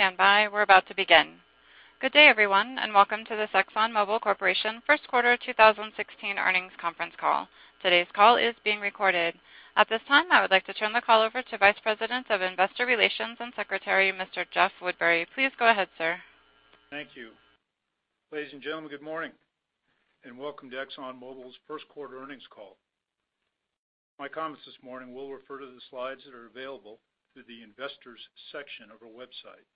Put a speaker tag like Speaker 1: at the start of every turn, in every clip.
Speaker 1: Please stand by. We're about to begin. Good day, everyone, and welcome to the ExxonMobil Corporation first quarter 2016 earnings conference call. Today's call is being recorded. At this time, I would like to turn the call over to Vice President of Investor Relations and Secretary, Mr. Jeff Woodbury. Please go ahead, sir.
Speaker 2: Thank you. Ladies and gentlemen, good morning, and welcome to ExxonMobil's first quarter earnings call. My comments this morning will refer to the slides that are available through the Investors section of our website.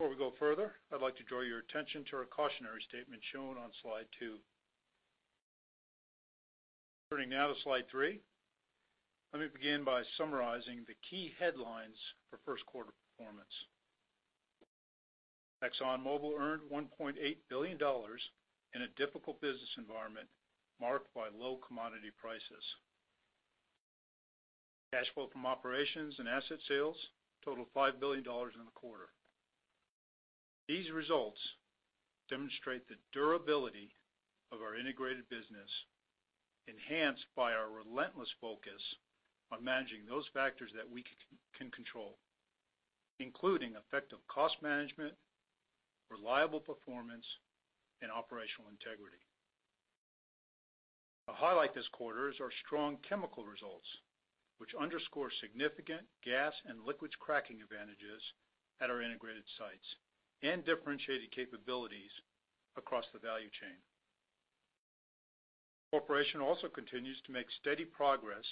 Speaker 2: Before we go further, I'd like to draw your attention to our cautionary statement shown on slide two. Turning now to slide three. Let me begin by summarizing the key headlines for first quarter performance. ExxonMobil earned $1.8 billion in a difficult business environment marked by low commodity prices. Cash flow from operations and asset sales totaled $5 billion in the quarter. These results demonstrate the durability of our integrated business, enhanced by our relentless focus on managing those factors that we can control, including effective cost management, reliable performance, and operational integrity. A highlight this quarter is our strong chemical results, which underscore significant gas and liquids cracking advantages at our integrated sites and differentiated capabilities across the value chain. The corporation also continues to make steady progress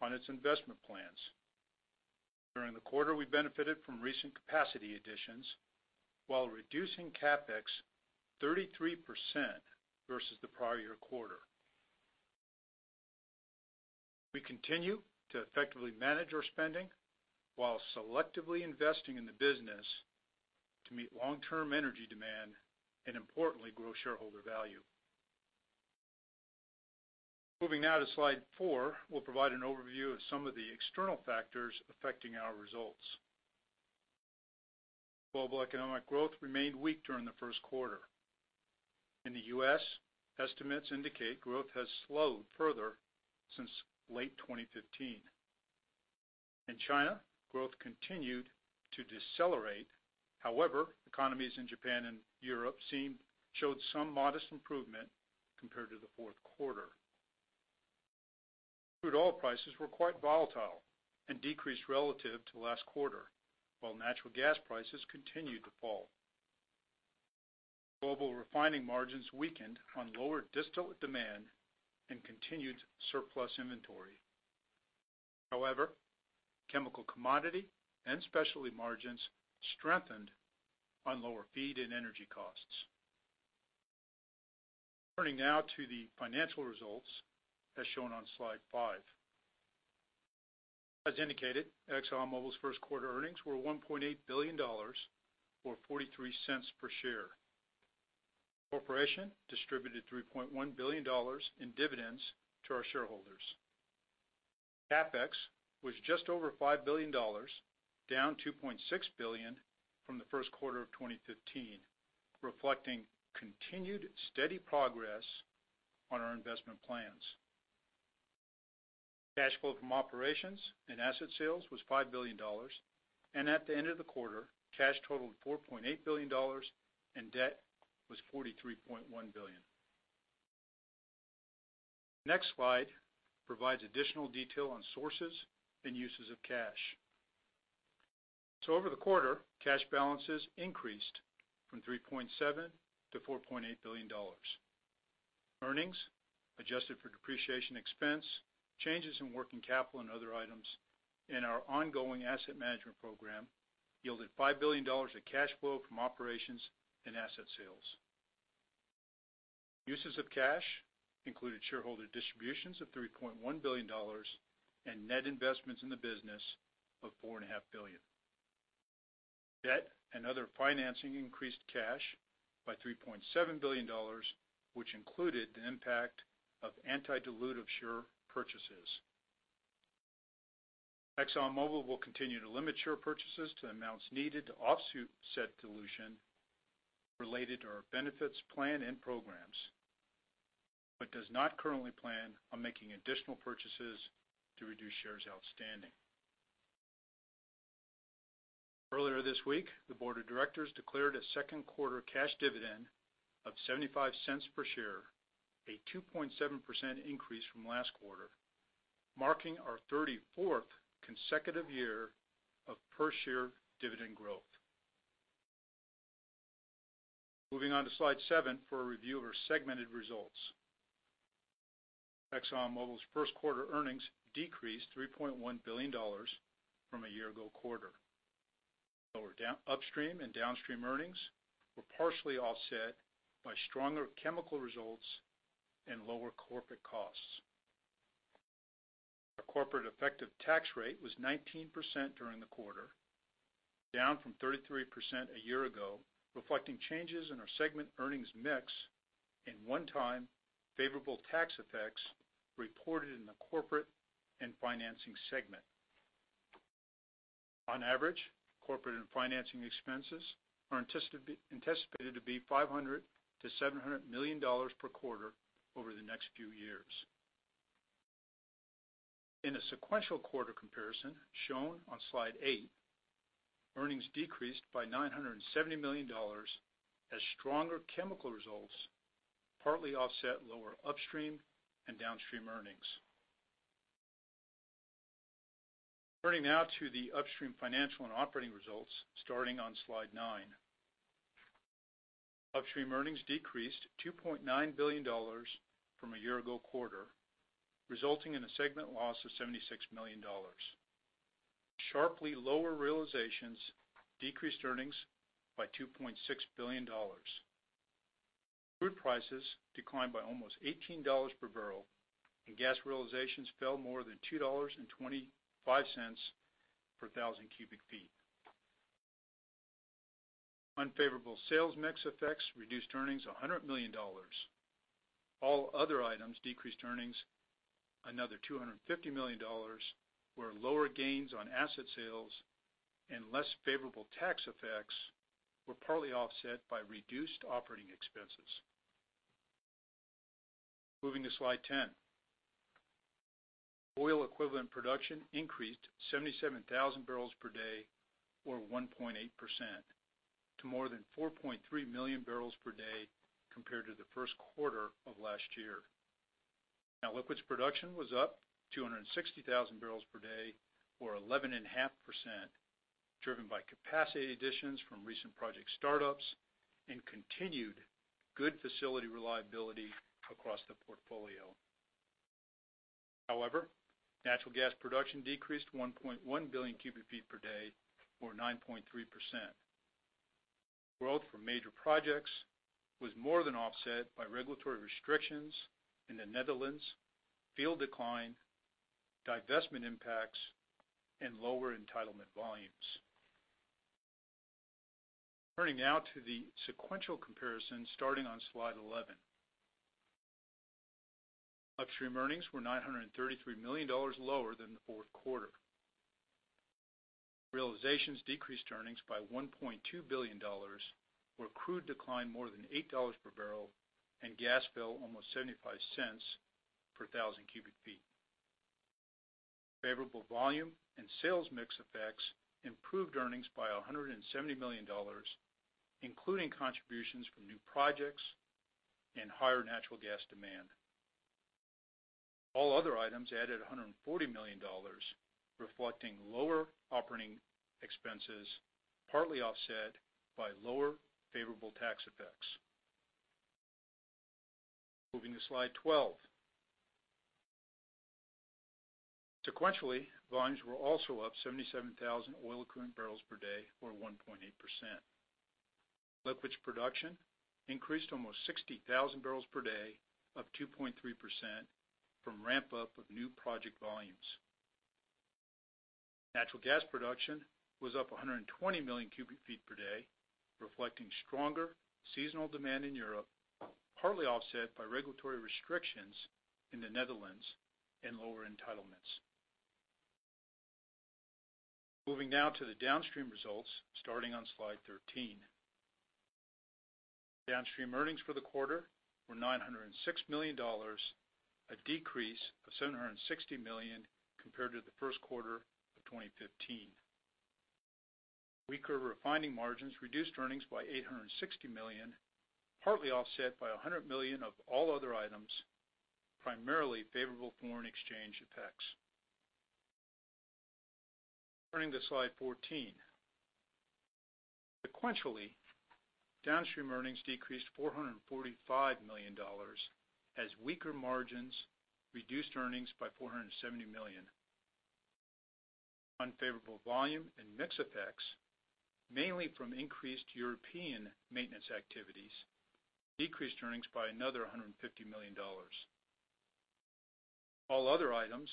Speaker 2: on its investment plans. During the quarter, we benefited from recent capacity additions while reducing CapEx 33% versus the prior year quarter. We continue to effectively manage our spending while selectively investing in the business to meet long-term energy demand and importantly, grow shareholder value. Moving now to slide four, we'll provide an overview of some of the external factors affecting our results. Global economic growth remained weak during the first quarter. In the U.S., estimates indicate growth has slowed further since late 2015. In China, growth continued to decelerate. Economies in Japan and Europe showed some modest improvement compared to the fourth quarter. Crude oil prices were quite volatile and decreased relative to last quarter, while natural gas prices continued to fall. Global refining margins weakened on lower distillate demand and continued surplus inventory. Chemical commodity and specialty margins strengthened on lower feed and energy costs. Turning now to the financial results as shown on slide five. As indicated, ExxonMobil's first quarter earnings were $1.8 billion, or $0.43 per share. Corporation distributed $3.1 billion in dividends to our shareholders. CapEx was just over $5 billion, down $2.6 billion from the first quarter of 2015, reflecting continued steady progress on our investment plans. Cash flow from operations and asset sales was $5 billion, and at the end of the quarter, cash totaled $4.8 billion and debt was $43.1 billion. Next slide provides additional detail on sources and uses of cash. Over the quarter, cash balances increased from $3.7 billion-$4.8 billion. Earnings adjusted for depreciation expense, changes in working capital and other items, and our ongoing asset management program yielded $5 billion of cash flow from operations and asset sales. Uses of cash included shareholder distributions of $3.1 billion and net investments in the business of $4.5 billion. Debt and other financing increased cash by $3.7 billion, which included the impact of anti-dilutive share purchases. ExxonMobil will continue to limit share purchases to amounts needed to offset dilution related to our benefits plan and programs, but does not currently plan on making additional purchases to reduce shares outstanding. Earlier this week, the board of directors declared a second quarter cash dividend of $0.75 per share, a 2.7% increase from last quarter, marking our 34th consecutive year of per-share dividend growth. Moving on to slide seven for a review of our segmented results. ExxonMobil's first quarter earnings decreased $3.1 billion from a year ago quarter. Lower upstream and downstream earnings were partially offset by stronger chemical results and lower corporate costs. Our corporate effective tax rate was 19% during the quarter, down from 33% a year ago, reflecting changes in our segment earnings mix and one-time favorable tax effects reported in the corporate and financing segment. On average, corporate and financing expenses are anticipated to be $500 million to $700 million per quarter over the next few years. In a sequential quarter comparison shown on slide eight, earnings decreased by $970 million as stronger chemical results partly offset lower upstream and downstream earnings. Turning now to the upstream Financial and Operating results starting on slide nine. Upstream earnings decreased $2.9 billion from a year ago quarter, resulting in a segment loss of $76 million. Sharply lower realizations decreased earnings by $2.6 billion. Crude prices declined by almost $18 per barrel, and gas realizations fell more than $2.25 per thousand cubic feet. Unfavorable sales mix effects reduced earnings $100 million. All other items decreased earnings another $250 million, where lower gains on asset sales and less favorable tax effects were partly offset by reduced operating expenses. Moving to slide 10. Oil equivalent production increased 77,000 barrels per day or 1.8% to more than 4.3 million barrels per day compared to the first quarter of last year. Liquids production was up 260,000 barrels per day or 11.5%, driven by capacity additions from recent project startups and continued good facility reliability across the portfolio. However, natural gas production decreased 1.1 billion cubic feet per day or 9.3%. Growth from major projects was more than offset by regulatory restrictions in the Netherlands, field decline, divestment impacts, and lower entitlement volumes. Turning now to the sequential comparison starting on slide 11. Upstream earnings were $933 million lower than the fourth quarter. Realizations decreased earnings by $1.2 billion, where crude declined more than $8 per barrel and gas fell almost $0.75 per thousand cubic feet. Favorable volume and sales mix effects improved earnings by $170 million, including contributions from new projects and higher natural gas demand. All other items added $140 million, reflecting lower operating expenses, partly offset by lower favorable tax effects. Moving to slide 12. Sequentially, volumes were also up 77,000 oil equivalent barrels per day or 1.8%. Liquids production increased almost 60,000 barrels per day, up 2.3% from ramp-up of new project volumes. Natural gas production was up 120 million cubic feet per day, reflecting stronger seasonal demand in Europe, partly offset by regulatory restrictions in the Netherlands and lower entitlements. Moving now to the downstream results starting on slide 13. Downstream earnings for the quarter were $906 million, a decrease of $760 million compared to the first quarter of 2015. Weaker refining margins reduced earnings by $860 million, partly offset by $100 million of all other items, primarily favorable foreign exchange effects. Turning to slide 14. Sequentially, downstream earnings decreased $445 million as weaker margins reduced earnings by $470 million. Unfavorable volume and mix effects, mainly from increased European maintenance activities, decreased earnings by another $150 million. All other items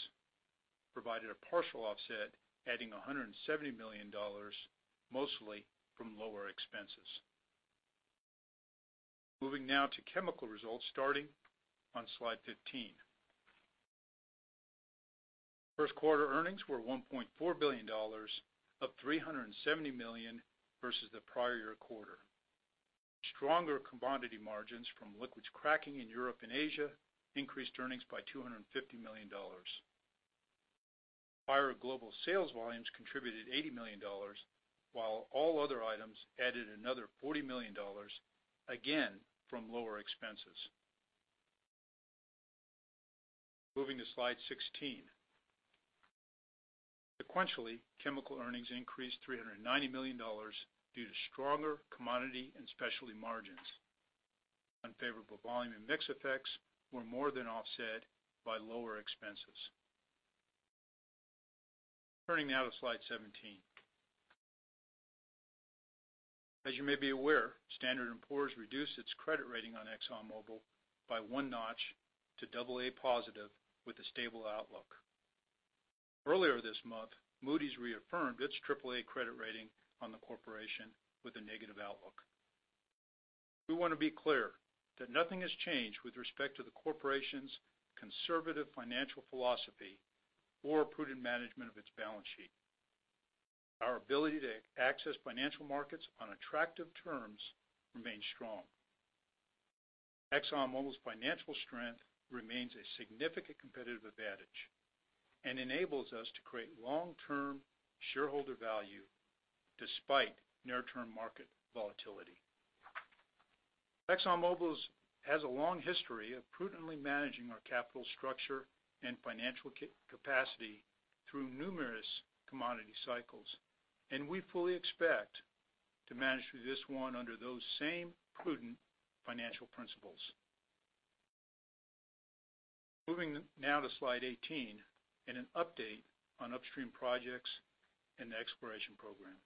Speaker 2: provided a partial offset, adding $170 million, mostly from lower expenses. Moving now to chemical results starting on slide 15. First quarter earnings were $1.4 billion, up $370 million versus the prior year quarter. Stronger commodity margins from liquids cracking in Europe and Asia increased earnings by $250 million. Higher global sales volumes contributed $80 million while all other items added another $40 million again from lower expenses. Moving to slide 16. Sequentially, chemical earnings increased $390 million due to stronger commodity and specialty margins. Unfavorable volume and mix effects were more than offset by lower expenses. Turning now to slide 17. As you may be aware, Standard & Poor's reduced its credit rating on ExxonMobil by one notch to AA+ with a stable outlook. Earlier this month, Moody's reaffirmed its Aaa credit rating on the corporation with a negative outlook. We want to be clear that nothing has changed with respect to the corporation's conservative financial philosophy or prudent management of its balance sheet. Our ability to access financial markets on attractive terms remains strong. ExxonMobil's financial strength remains a significant competitive advantage and enables us to create long-term shareholder value despite near-term market volatility. ExxonMobil has a long history of prudently managing our capital structure and financial capacity through numerous commodity cycles. We fully expect to manage through this one under those same prudent financial principles. Moving now to slide 18 and an update on Upstream projects and the exploration program.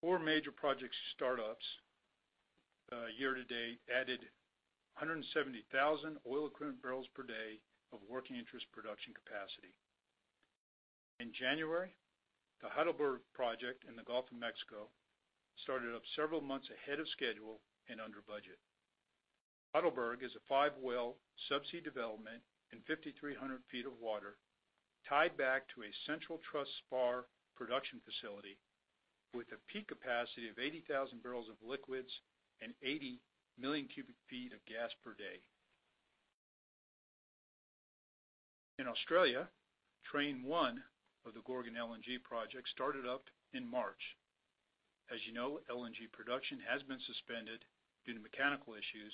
Speaker 2: Four major project startups year-to-date added 170,000 oil-equivalent barrels per day of working interest production capacity. In January, the Heidelberg project in the Gulf of Mexico started up several months ahead of schedule and under budget. Heidelberg is a five-well subsea development in 5,300 feet of water tied back to a central truss spar production facility with a peak capacity of 80,000 barrels of liquids and 80 million cubic feet of gas per day. In Australia, train one of the Gorgon LNG project started up in March. As you know, LNG production has been suspended due to mechanical issues,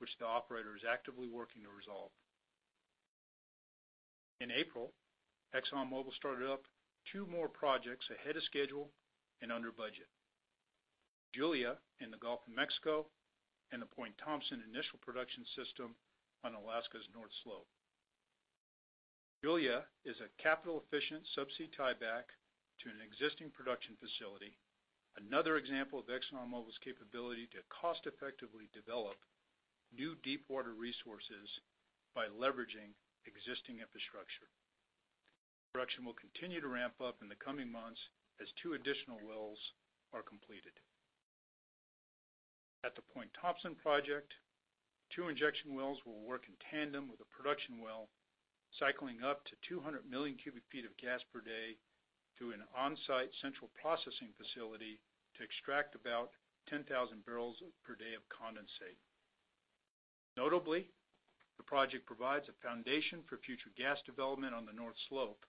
Speaker 2: which the operator is actively working to resolve. In April, ExxonMobil started up two more projects ahead of schedule and under budget. Julia in the Gulf of Mexico and the Point Thompson initial production system on Alaska's North Slope. Julia is a capital-efficient subsea tieback to an existing production facility. Another example of ExxonMobil's capability to cost-effectively develop new deepwater resources by leveraging existing infrastructure. Production will continue to ramp up in the coming months as two additional wells are completed. At the Point Thompson project, two injection wells will work in tandem with a production well, cycling up to 200 million cubic feet of gas per day through an on-site central processing facility to extract about 10,000 barrels per day of condensate. Notably, the project provides a foundation for future gas development on the North Slope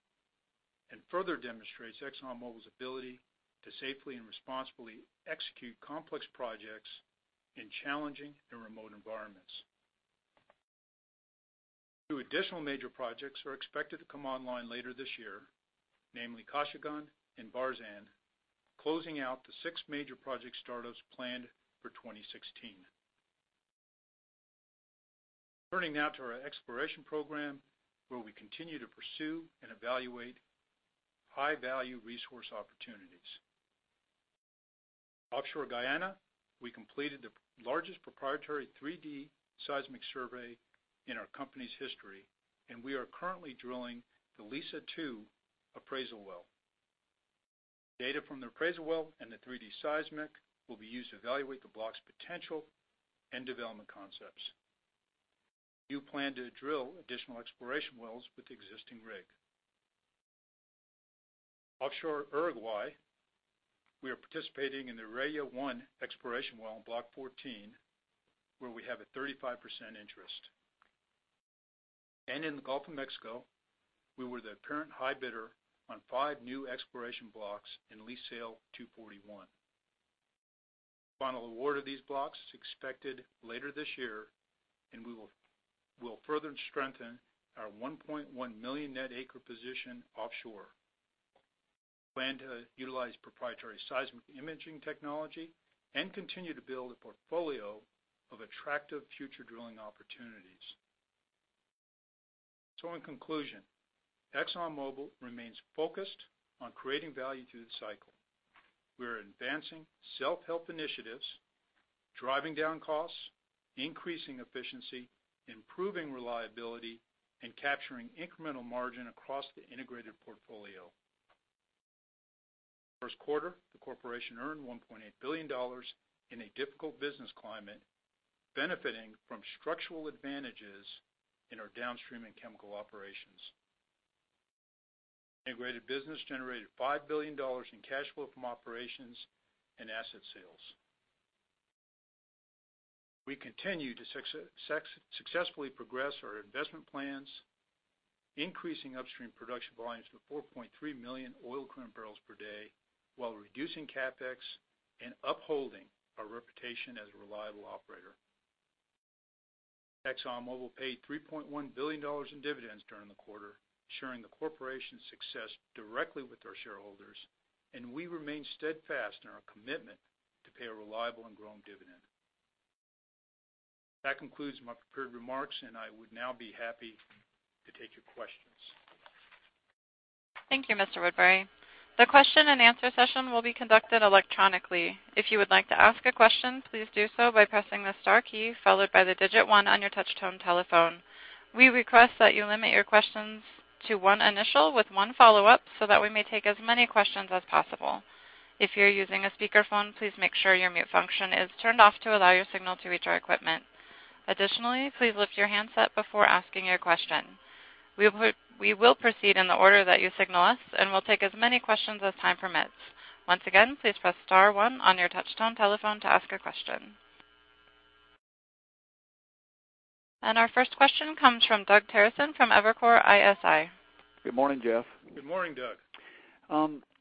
Speaker 2: and further demonstrates ExxonMobil's ability to safely and responsibly execute complex projects in challenging and remote environments. Two additional major projects are expected to come online later this year, namely Kashagan and Barzan, closing out the six major project startups planned for 2016. Turning now to our exploration program, where we continue to pursue and evaluate high-value resource opportunities. Offshore Guyana, we completed the largest proprietary 3D seismic survey in our company's history, and we are currently drilling the Liza-2 appraisal well. Data from the appraisal well and the 3D seismic will be used to evaluate the block's potential and development concepts. We plan to drill additional exploration wells with the existing rig. Offshore Uruguay, we are participating in the Aran-1 exploration well in Block 14, where we have a 35% interest. In the Gulf of Mexico, we were the apparent high bidder on five new exploration blocks in Lease Sale 241. Final award of these blocks is expected later this year, and we will further strengthen our 1.1 million net acre position offshore. Plan to utilize proprietary seismic imaging technology and continue to build a portfolio of attractive future drilling opportunities. In conclusion, ExxonMobil remains focused on creating value through the cycle. We are advancing self-help initiatives, driving down costs, increasing efficiency, improving reliability, and capturing incremental margin across the integrated portfolio. First quarter, the corporation earned $1.8 billion in a difficult business climate, benefiting from structural advantages in our Downstream and Chemical operations. Integrated business generated $5 billion in cash flow from operations and asset sales. We continue to successfully progress our investment plans, increasing Upstream production volumes to 4.3 million oil equivalent barrels per day while reducing CapEx and upholding our reputation as a reliable operator. ExxonMobil paid $3.1 billion in dividends during the quarter, sharing the corporation's success directly with our shareholders, and we remain steadfast in our commitment to pay a reliable and growing dividend. That concludes my prepared remarks, and I would now be happy to take your questions.
Speaker 1: Thank you, Mr. Woodbury. The question and answer session will be conducted electronically. If you would like to ask a question, please do so by pressing the star key followed by the digit one on your touch tone telephone. We request that you limit your questions to one initial with one follow-up so that we may take as many questions as possible. If you're using a speakerphone, please make sure your mute function is turned off to allow your signal to reach our equipment. Additionally, please lift your handset before asking your question. We will proceed in the order that you signal us, and we'll take as many questions as time permits. Once again, please press *1 on your touchtone telephone to ask a question. Our first question comes from Doug Terreson from Evercore ISI.
Speaker 3: Good morning, Jeff.
Speaker 2: Good morning, Doug.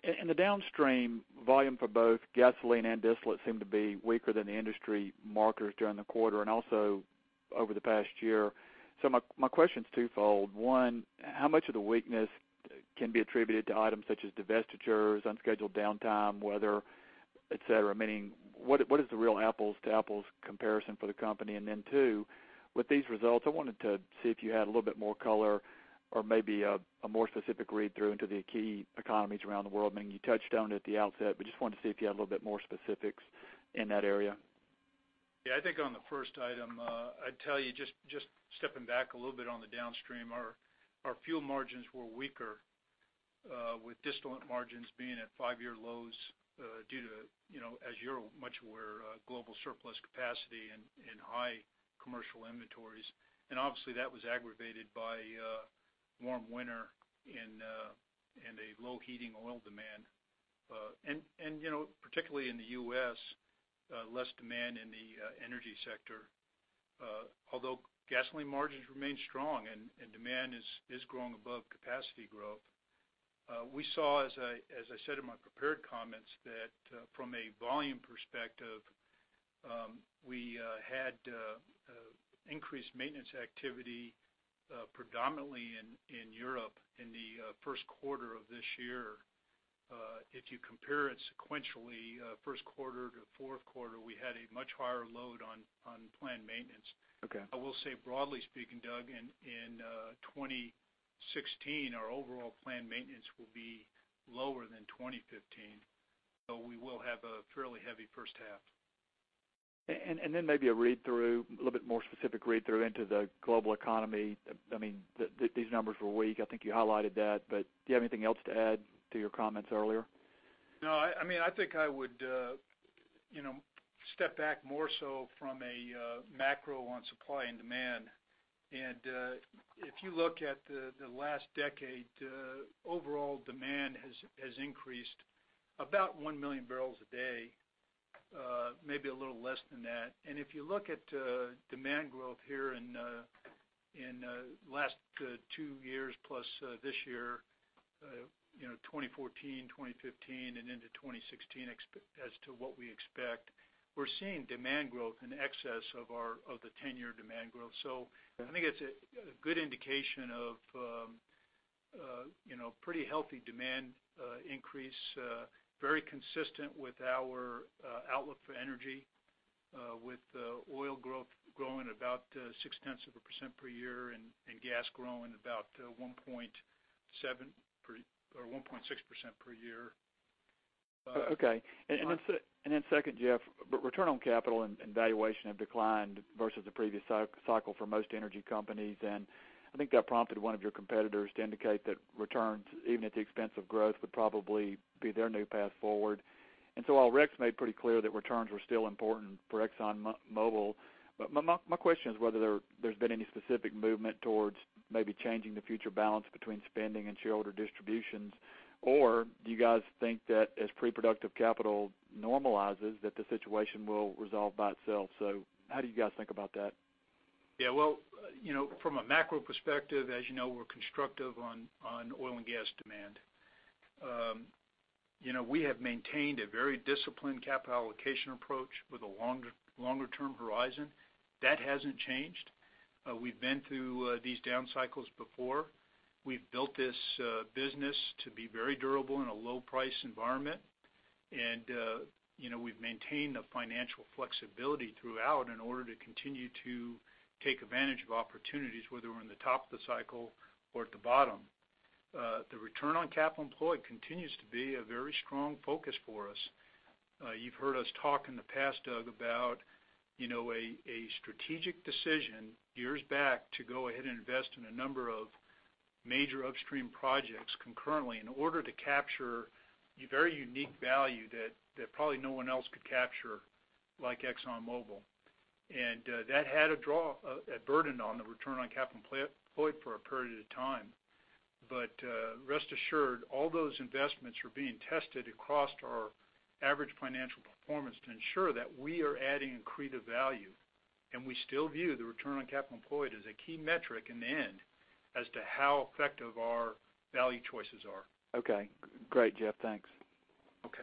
Speaker 3: In the downstream, volume for both gasoline and distillate seem to be weaker than the industry markers during the quarter and also over the past year. My question's twofold. One, how much of the weakness can be attributed to items such as divestitures, unscheduled downtime, weather, et cetera? Meaning, what is the real apples-to-apples comparison for the company? Two, with these results, I wanted to see if you had a little bit more color or maybe a more specific read-through into the key economies around the world. Meaning, you touched on it at the outset, but just wanted to see if you had a little bit more specifics in that area.
Speaker 2: I think on the first item, I'd tell you just stepping back a little bit on the downstream, our fuel margins were weaker with distillate margins being at five-year lows due to, as you're much aware, global surplus capacity and high commercial inventories. Obviously, that was aggravated by a warm winter and a low heating oil demand. Particularly in the U.S., less demand in the energy sector. Although gasoline margins remain strong and demand is growing above capacity growth. We saw, as I said in my prepared comments, that from a volume perspective, we had increased maintenance activity predominantly in Europe in the first quarter of this year. If you compare it sequentially first quarter to fourth quarter, we had a much higher load on planned maintenance.
Speaker 3: Okay.
Speaker 2: I will say broadly speaking, Doug, in 2016, our overall planned maintenance will be lower than 2015, though we will have a fairly heavy first half.
Speaker 3: Maybe a little bit more specific read-through into the global economy. These numbers were weak. I think you highlighted that, do you have anything else to add to your comments earlier?
Speaker 2: No. I think I would step back more so from a macro on supply and demand. If you look at the last decade, overall demand has increased about 1 million barrels a day, maybe a little less than that. If you look at demand growth here in last 2 years plus this year, 2014, 2015, and into 2016 as to what we expect, we're seeing demand growth in excess of the 10-year demand growth. I think it's a good indication of pretty healthy demand increase, very consistent with our outlook for energy with oil growing about 0.6% per year and gas growing about 1.6% per year.
Speaker 3: Okay. Second, Jeff, return on capital and valuation have declined versus the previous cycle for most energy companies, I think that prompted one of your competitors to indicate that returns, even at the expense of growth, would probably be their new path forward. While Rex made pretty clear that returns were still important for ExxonMobil, my question is whether there's been any specific movement towards maybe changing the future balance between spending and shareholder distributions, or do you guys think that as pre-productive capital normalizes, that the situation will resolve by itself? How do you guys think about that?
Speaker 2: Yeah. From a macro perspective, as you know, we're constructive on oil and gas demand. We have maintained a very disciplined capital allocation approach with a longer-term horizon. That hasn't changed. We've been through these down cycles before. We've built this business to be very durable in a low-price environment, and we've maintained the financial flexibility throughout in order to continue to take advantage of opportunities, whether we're in the top of the cycle or at the bottom. The return on capital employed continues to be a very strong focus for us. You've heard us talk in the past, Doug, about a strategic decision years back to go ahead and invest in a number of major upstream projects concurrently in order to capture a very unique value that probably no one else could capture like ExxonMobil. That had a burden on the return on capital employed for a period of time. Rest assured, all those investments are being tested across our average financial performance to ensure that we are adding accretive value, and we still view the return on capital employed as a key metric in the end as to how effective our value choices are.
Speaker 3: Okay, great, Jeff. Thanks.
Speaker 2: Okay.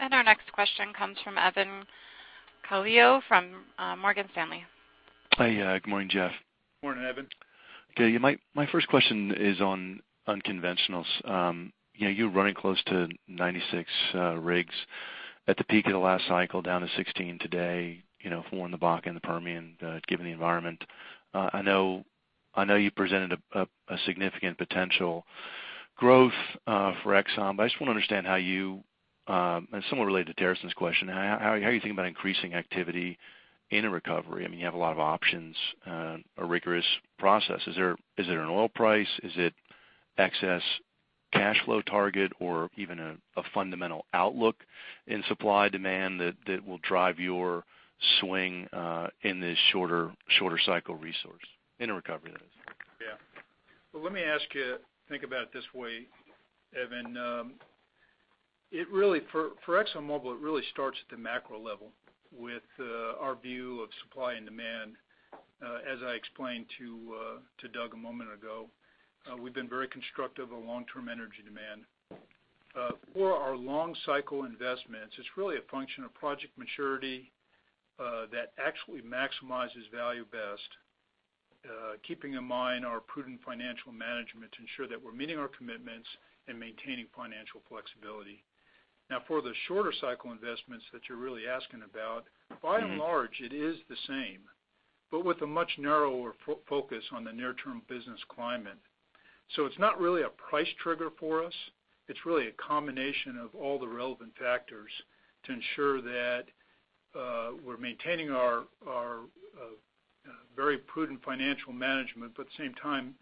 Speaker 1: Our next question comes from Evan Calio from Morgan Stanley.
Speaker 4: Hi. Good morning, Jeff.
Speaker 2: Morning, Evan.
Speaker 4: Okay. My first question is on unconventionals. You're running close to 96 rigs at the peak of the last cycle down to 16 today, four in the Bakken, the Permian, given the environment. I know you presented a significant potential growth for Exxon, but I just want to understand how you, somewhat related to Terreson's question, how are you thinking about increasing activity in a recovery? You have a lot of options, a rigorous process. Is it an oil price? Is it excess cash flow target or even a fundamental outlook in supply-demand that will drive your swing in this shorter cycle resource, in a recovery, that is?
Speaker 2: Yeah. Well, let me ask you think about it this way, Evan. For ExxonMobil, it really starts at the macro level with our view of supply and demand. As I explained to Doug a moment ago, we've been very constructive of long-term energy demand. For our long cycle investments, it's really a function of project maturity that actually maximizes value best keeping in mind our prudent financial management to ensure that we're meeting our commitments and maintaining financial flexibility. Now, for the shorter cycle investments that you're really asking about. it is the same, with a much narrower focus on the near-term business climate. It's not really a price trigger for us. It's really a combination of all the relevant factors to ensure that we're maintaining our very prudent financial management, at the same time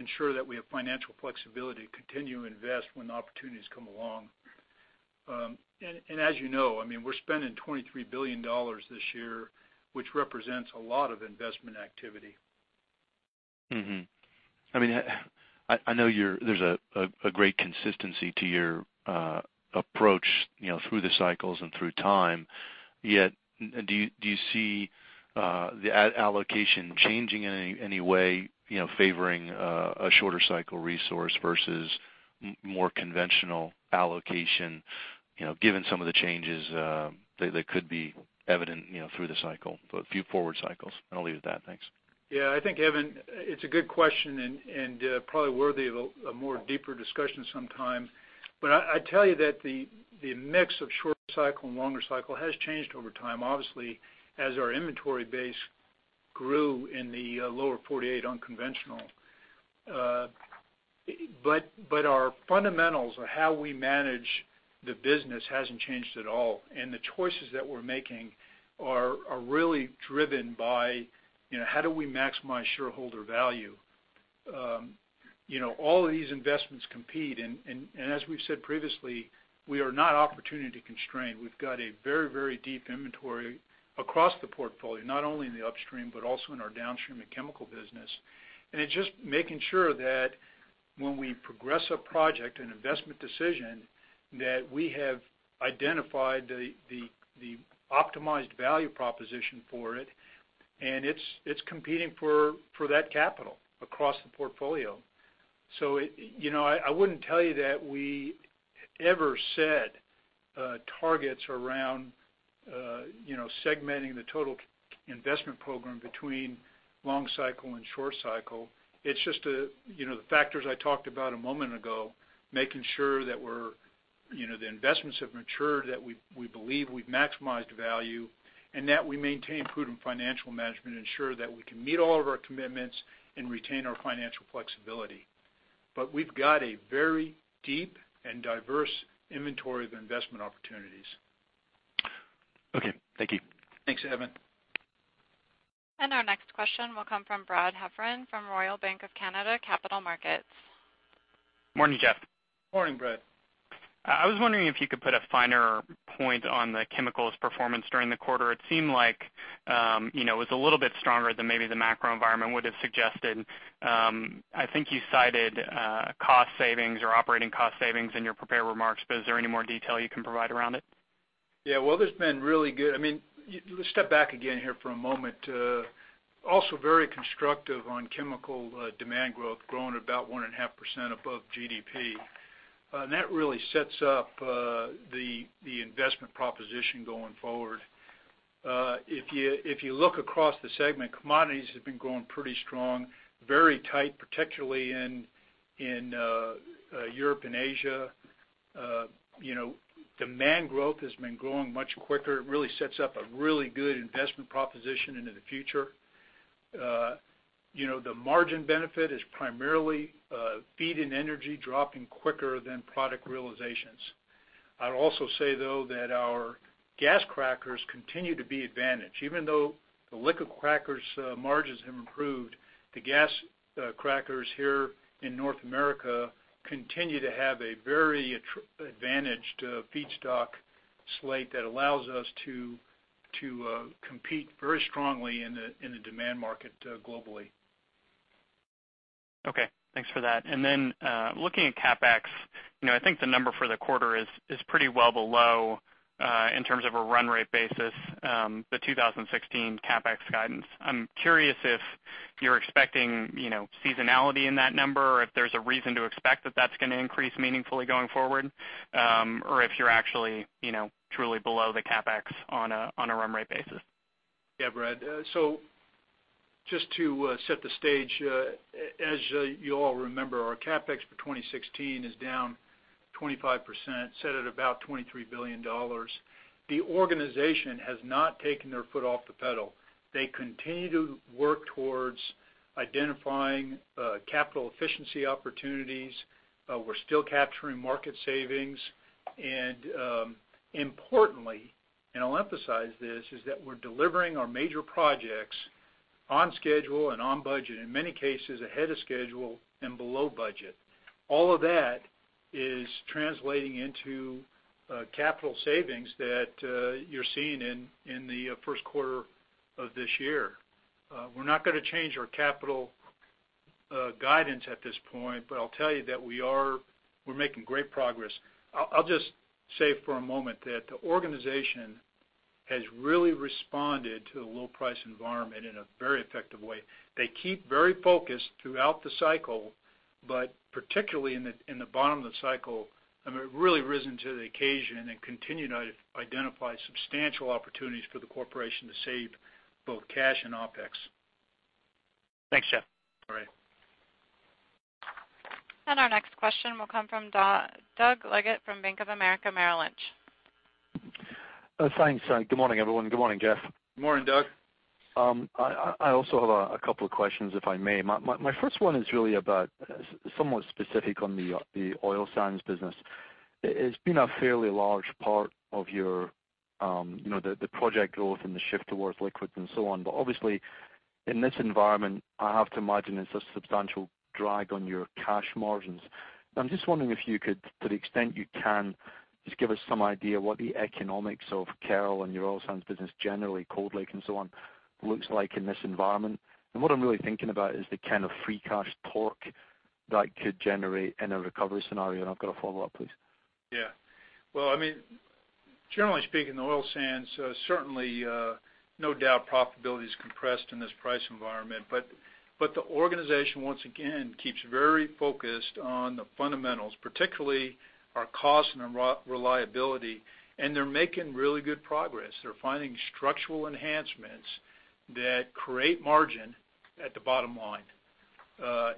Speaker 2: ensure that we have financial flexibility to continue to invest when opportunities come along. As you know, we're spending $23 billion this year, which represents a lot of investment activity.
Speaker 4: I know there's a great consistency to your approach through the cycles and through time, do you see the allocation changing in any way favoring a shorter cycle resource versus more conventional allocation given some of the changes that could be evident through the cycle, a few forward cycles? I'll leave it at that. Thanks.
Speaker 2: I think, Evan, it's a good question and probably worthy of a more deeper discussion sometime. I tell you that the mix of short cycle and longer cycle has changed over time, obviously, as our inventory base grew in the lower 48 unconventional. Our fundamentals of how we manage the business hasn't changed at all, the choices that we're making are really driven by how do we maximize shareholder value? All of these investments compete, as we've said previously, we are not opportunity constrained. We've got a very, very deep inventory across the portfolio, not only in the upstream, but also in our downstream and chemical business. It's just making sure that when we progress a project, an investment decision, that we have identified the optimized value proposition for it, and it's competing for that capital across the portfolio. I wouldn't tell you that we ever set targets around segmenting the total investment program between long cycle and short cycle. It's just the factors I talked about a moment ago, making sure that the investments have matured, that we believe we've maximized value, that we maintain prudent financial management ensure that we can meet all of our commitments and retain our financial flexibility. We've got a very deep and diverse inventory of investment opportunities.
Speaker 4: Okay. Thank you.
Speaker 2: Thanks, Evan.
Speaker 1: Our next question will come from Brad Heffern from Royal Bank of Canada Capital Markets.
Speaker 5: Morning, Jeff.
Speaker 2: Morning, Brad.
Speaker 5: I was wondering if you could put a finer point on the chemicals performance during the quarter. It seemed like it was a little bit stronger than maybe the macro environment would have suggested. I think you cited cost savings or operating cost savings in your prepared remarks, is there any more detail you can provide around it?
Speaker 2: Well, let's step back again here for a moment. We are also very constructive on chemical demand growth, growing about 1.5% above GDP. That really sets up the investment proposition going forward. If you look across the segment, commodities have been growing pretty strong, very tight, particularly in Europe and Asia. Demand growth has been growing much quicker. It really sets up a really good investment proposition into the future. The margin benefit is primarily feed and energy dropping quicker than product realizations. I'd also say, though, that our gas crackers continue to be advantaged. Even though the liquid crackers margins have improved, the gas crackers here in North America continue to have a very advantaged feedstock slate that allows us to compete very strongly in the demand market globally.
Speaker 5: Okay. Thanks for that. Looking at CapEx, I think the number for the quarter is pretty well below in terms of a run rate basis the 2016 CapEx guidance. I'm curious if you're expecting seasonality in that number or if there's a reason to expect that that's going to increase meaningfully going forward or if you're actually truly below the CapEx on a run rate basis.
Speaker 2: Brad. Just to set the stage, as you all remember, our CapEx for 2016 is down 25%, set at about $23 billion. The organization has not taken their foot off the pedal. They continue to work towards identifying capital efficiency opportunities. We're still capturing market savings, importantly, and I'll emphasize this, is that we're delivering our major projects on schedule and on budget, in many cases ahead of schedule and below budget. All of that is translating into capital savings that you're seeing in the first quarter of this year. We're not going to change our capital guidance at this point, I'll tell you that we're making great progress. I'll just say for a moment that the organization has really responded to the low price environment in a very effective way. They keep very focused throughout the cycle, particularly in the bottom of the cycle, have really risen to the occasion and continue to identify substantial opportunities for the corporation to save both cash and OpEx.
Speaker 5: Thanks, Jeff.
Speaker 2: All right.
Speaker 1: Our next question will come from Doug Leggate from Bank of America Merrill Lynch.
Speaker 6: Thanks. Good morning, everyone. Good morning, Jeff.
Speaker 2: Good morning, Doug.
Speaker 6: I also have a couple of questions, if I may. My first one is really about somewhat specific on the oil sands business. It's been a fairly large part of the project growth and the shift towards liquids and so on. Obviously, in this environment, I have to imagine it's a substantial drag on your cash margins. I'm just wondering if you could, to the extent you can, just give us some idea what the economics of Kearl and your oil sands business generally, Cold Lake and so on, looks like in this environment. What I'm really thinking about is the kind of free cash torque that could generate in a recovery scenario. I've got a follow-up, please.
Speaker 2: Well, generally speaking, the oil sands certainly no doubt profitability is compressed in this price environment. The organization once again keeps very focused on the fundamentals, particularly our cost and reliability, and they're making really good progress. They're finding structural enhancements that create margin at the bottom line.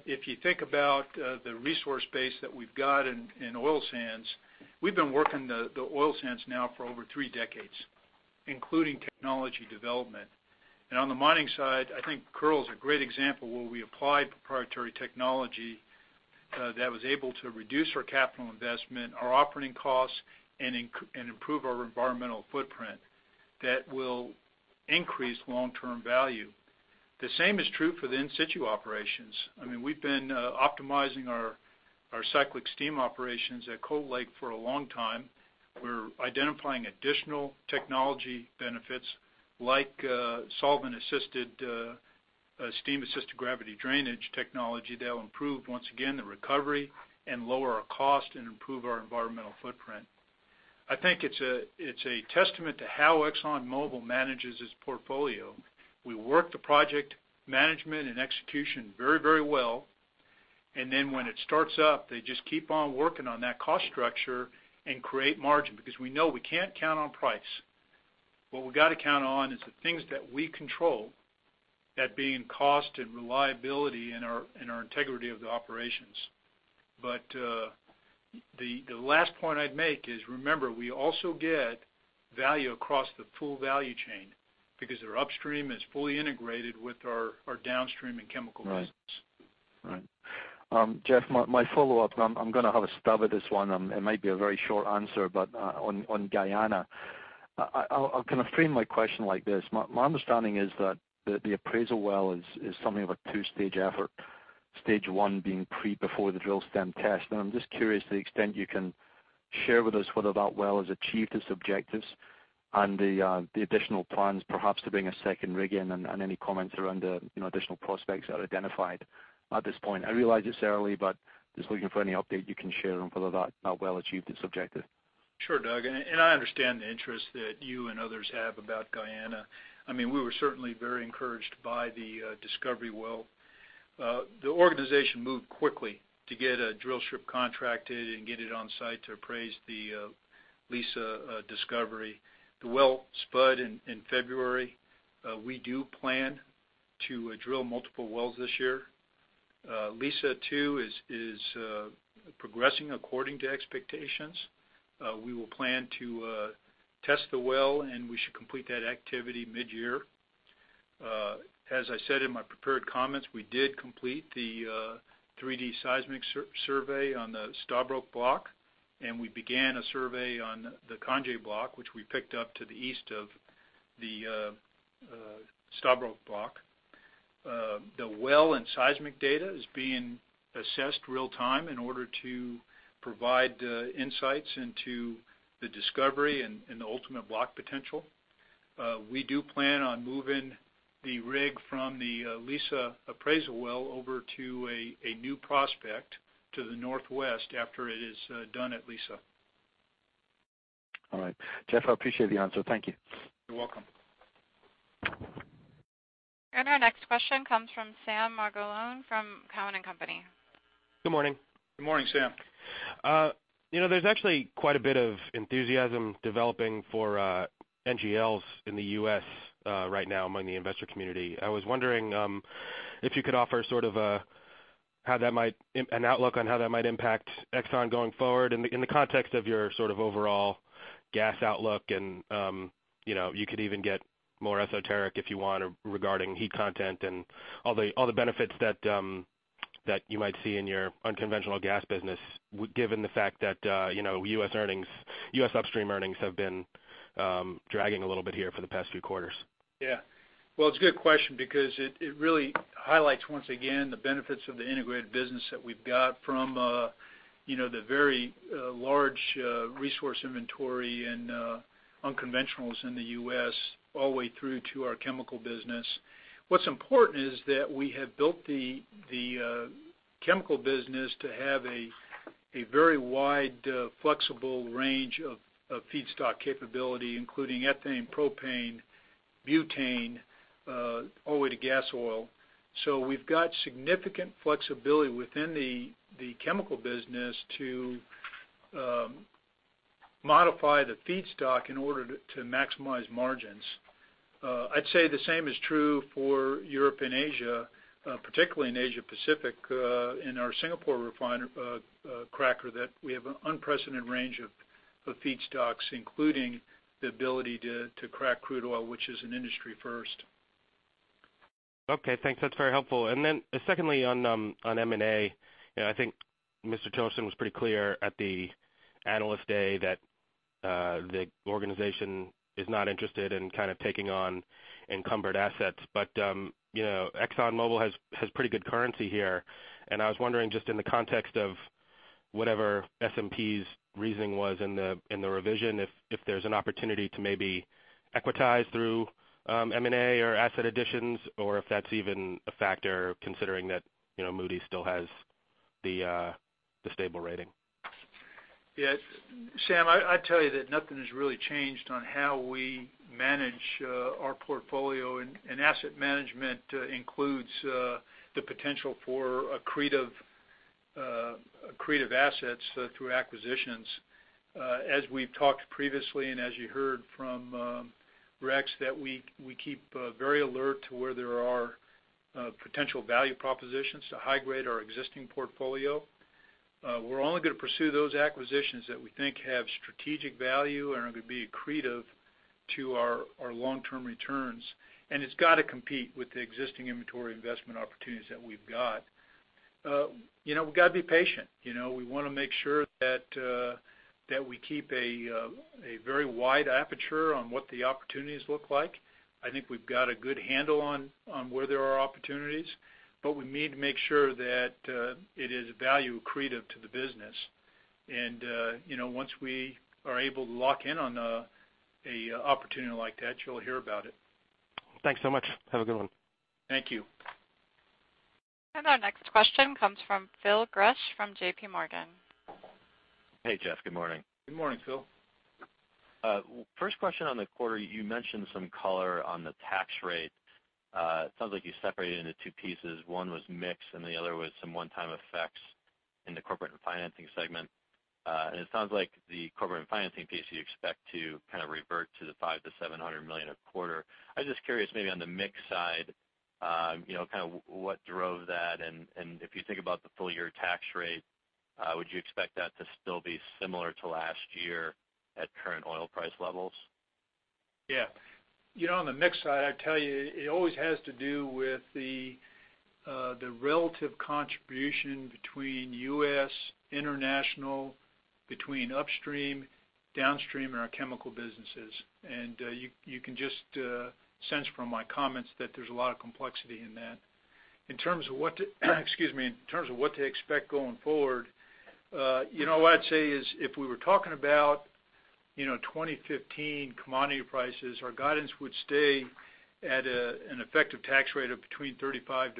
Speaker 2: If you think about the resource base that we've got in oil sands, we've been working the oil sands now for over three decades, including technology development. On the mining side, I think Kearl is a great example where we applied proprietary technology that was able to reduce our capital investment, our operating costs, and improve our environmental footprint that will increase long-term value. The same is true for the in-situ operations. We've been optimizing our cyclic steam operations at Cold Lake for a long time. We're identifying additional technology benefits like solvent-assisted, steam-assisted gravity drainage technology that'll improve, once again, the recovery and lower our cost and improve our environmental footprint. I think it's a testament to how ExxonMobil manages its portfolio. We work the project management and execution very well, and then when it starts up, they just keep on working on that cost structure and create margin because we know we can't count on price. What we got to count on is the things that we control, that being cost and reliability and our integrity of the operations. The last point I'd make is, remember, we also get value across the full value chain because our upstream is fully integrated with our downstream and chemical business.
Speaker 6: Jeff, my follow-up, I'm going to have a stab at this one. It might be a very short answer, on Guyana. I'll kind of frame my question like this. My understanding is that the appraisal well is something of a 2-stage effort, stage 1 being pre, before the drill stem test. I'm just curious to the extent you can share with us whether that well has achieved its objectives and the additional plans perhaps to bring a second rig in and any comments around the additional prospects that are identified at this point. I realize it's early, just looking for any update you can share on whether that well achieved its objective.
Speaker 2: Doug, I understand the interest that you and others have about Guyana. We were certainly very encouraged by the discovery well. The organization moved quickly to get a drill ship contracted and get it on site to appraise the Liza discovery. The well spud in February. We do plan to drill multiple wells this year. Liza-2 is progressing according to expectations. We will plan to test the well, and we should complete that activity mid-year. As I said in my prepared comments, we did complete the 3D seismic survey on the Stabroek Block. We began a survey on the Kaieteur Block, which we picked up to the east of the Stabroek Block. The well and seismic data is being assessed real time in order to provide insights into the discovery and the ultimate block potential. We do plan on moving the rig from the Liza appraisal well over to a new prospect to the northwest after it is done at Liza.
Speaker 6: All right. Jeff, I appreciate the answer. Thank you.
Speaker 2: You're welcome.
Speaker 1: Our next question comes from Sam Margolin from Cowen and Company.
Speaker 7: Good morning.
Speaker 2: Good morning, Sam.
Speaker 7: There's actually quite a bit of enthusiasm developing for NGLs in the U.S. right now among the investor community. I was wondering if you could offer an outlook on how that might impact Exxon going forward in the context of your sort of overall gas outlook and you could even get more esoteric if you want regarding heat content and all the benefits that you might see in your unconventional gas business, given the fact that U.S. upstream earnings have been dragging a little bit here for the past few quarters.
Speaker 2: Yeah. Well, it's a good question because it really highlights once again the benefits of the integrated business that we've got from the very large resource inventory and unconventionals in the U.S. all the way through to our chemical business. What's important is that we have built the chemical business to have a very wide flexible range of feedstock capability, including ethane, propane, butane all the way to gas oil. We've got significant flexibility within the chemical business to modify the feedstock in order to maximize margins. I'd say the same is true for Europe and Asia, particularly in Asia Pacific, in our Singapore cracker, that we have an unprecedented range of feedstocks, including the ability to crack crude oil, which is an industry first.
Speaker 7: Okay, thanks. That's very helpful. Secondly, on M&A, I think Mr. Tillerson was pretty clear at the Analyst Day that the organization is not interested in kind of taking on encumbered assets. ExxonMobil has pretty good currency here. I was wondering, just in the context of whatever S&P's reasoning was in the revision, if there's an opportunity to maybe equitize through M&A or asset additions, or if that's even a factor considering that Moody's still has the stable rating.
Speaker 2: Yeah. Sam, I tell you that nothing has really changed on how we manage our portfolio. Asset management includes the potential for accretive assets through acquisitions. As we've talked previously, as you heard from Rex, that we keep very alert to where there are potential value propositions to high-grade our existing portfolio. We're only going to pursue those acquisitions that we think have strategic value and are going to be accretive to our long-term returns. It's got to compete with the existing inventory investment opportunities that we've got. We got to be patient. We want to make sure that we keep a very wide aperture on what the opportunities look like. I think we've got a good handle on where there are opportunities, we need to make sure that it is value accretive to the business. Once we are able to lock in on an opportunity like that, you'll hear about it.
Speaker 7: Thanks so much. Have a good one.
Speaker 2: Thank you.
Speaker 1: Our next question comes from Phil Gresh from JPMorgan.
Speaker 8: Hey, Jeff. Good morning.
Speaker 2: Good morning, Phil.
Speaker 8: First question on the quarter, you mentioned some color on the tax rate. It sounds like you separated it into two pieces. One was mix, and the other was some one-time effects in the corporate and financing segment. It sounds like the corporate and financing piece you expect to kind of revert to the $500 million-$700 million a quarter. I was just curious maybe on the mix side, kind of what drove that, and if you think about the full-year tax rate, would you expect that to still be similar to last year at current oil price levels?
Speaker 2: Yeah. On the mix side, I tell you, it always has to do with the relative contribution between U.S., international, between upstream, downstream, or our chemical businesses. You can just sense from my comments that there's a lot of complexity in that. In terms of what to expect going forward, what I'd say is if we were talking about 2015 commodity prices, our guidance would stay at an effective tax rate of between 35%-40%.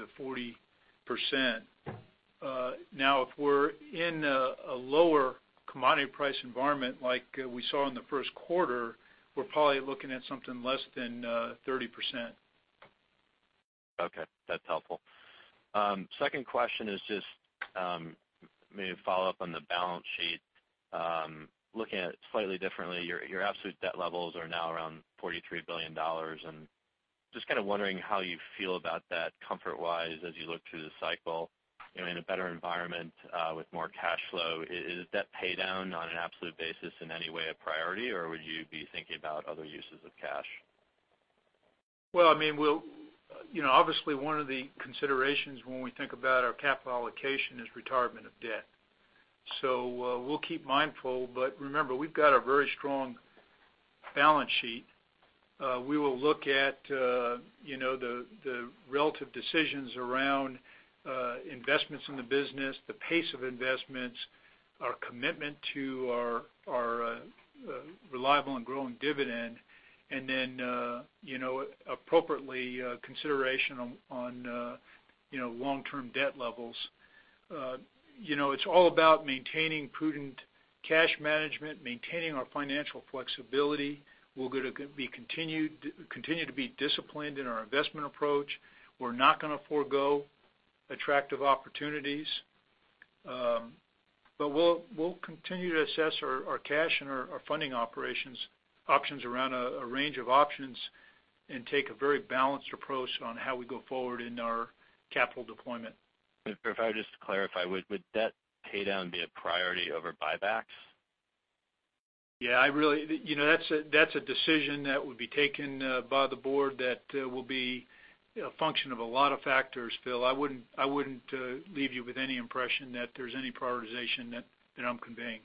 Speaker 2: If we're in a lower commodity price environment like we saw in the first quarter, we're probably looking at something less than 30%.
Speaker 8: Okay. That's helpful. Second question is just maybe a follow-up on the balance sheet. Looking at it slightly differently, your absolute debt levels are now around $43 billion. Just kind of wondering how you feel about that comfort-wise as you look through the cycle in a better environment with more cash flow. Is debt paydown on an absolute basis in any way a priority, or would you be thinking about other uses of cash?
Speaker 2: Well, obviously, one of the considerations when we think about our capital allocation is retirement of debt. We'll keep mindful, but remember, we've got a very strong balance sheet. We will look at the relative decisions around investments in the business, the pace of investments, our commitment to our reliable and growing dividend, and then appropriately consideration on long-term debt levels. It's all about maintaining prudent cash management, maintaining our financial flexibility. We'll continue to be disciplined in our investment approach. We're not going to forgo attractive opportunities. We'll continue to assess our cash and our funding operations options around a range of options and take a very balanced approach on how we go forward in our capital deployment.
Speaker 8: If I could just clarify, would debt pay down be a priority over buybacks?
Speaker 2: Yeah. That's a decision that would be taken by the board that will be a function of a lot of factors, Phil. I wouldn't leave you with any impression that there's any prioritization that I'm conveying.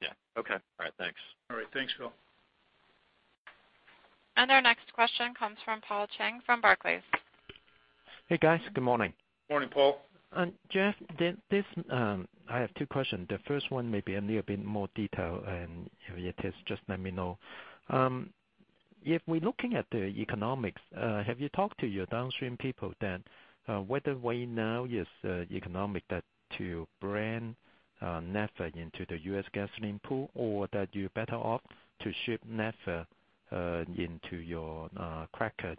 Speaker 8: Yeah. Okay. All right. Thanks.
Speaker 2: All right. Thanks, Phil.
Speaker 1: Our next question comes from Paul Cheng from Barclays.
Speaker 9: Hey, guys. Good morning.
Speaker 2: Morning, Paul.
Speaker 9: Jeff, I have two questions. The first one may be a need a bit more detail, and if it is, just let me know. If we're looking at the economics, have you talked to your downstream people then? Whether way now is economic that to blend naphtha into the U.S. gasoline pool or that you're better off to ship naphtha into your cracker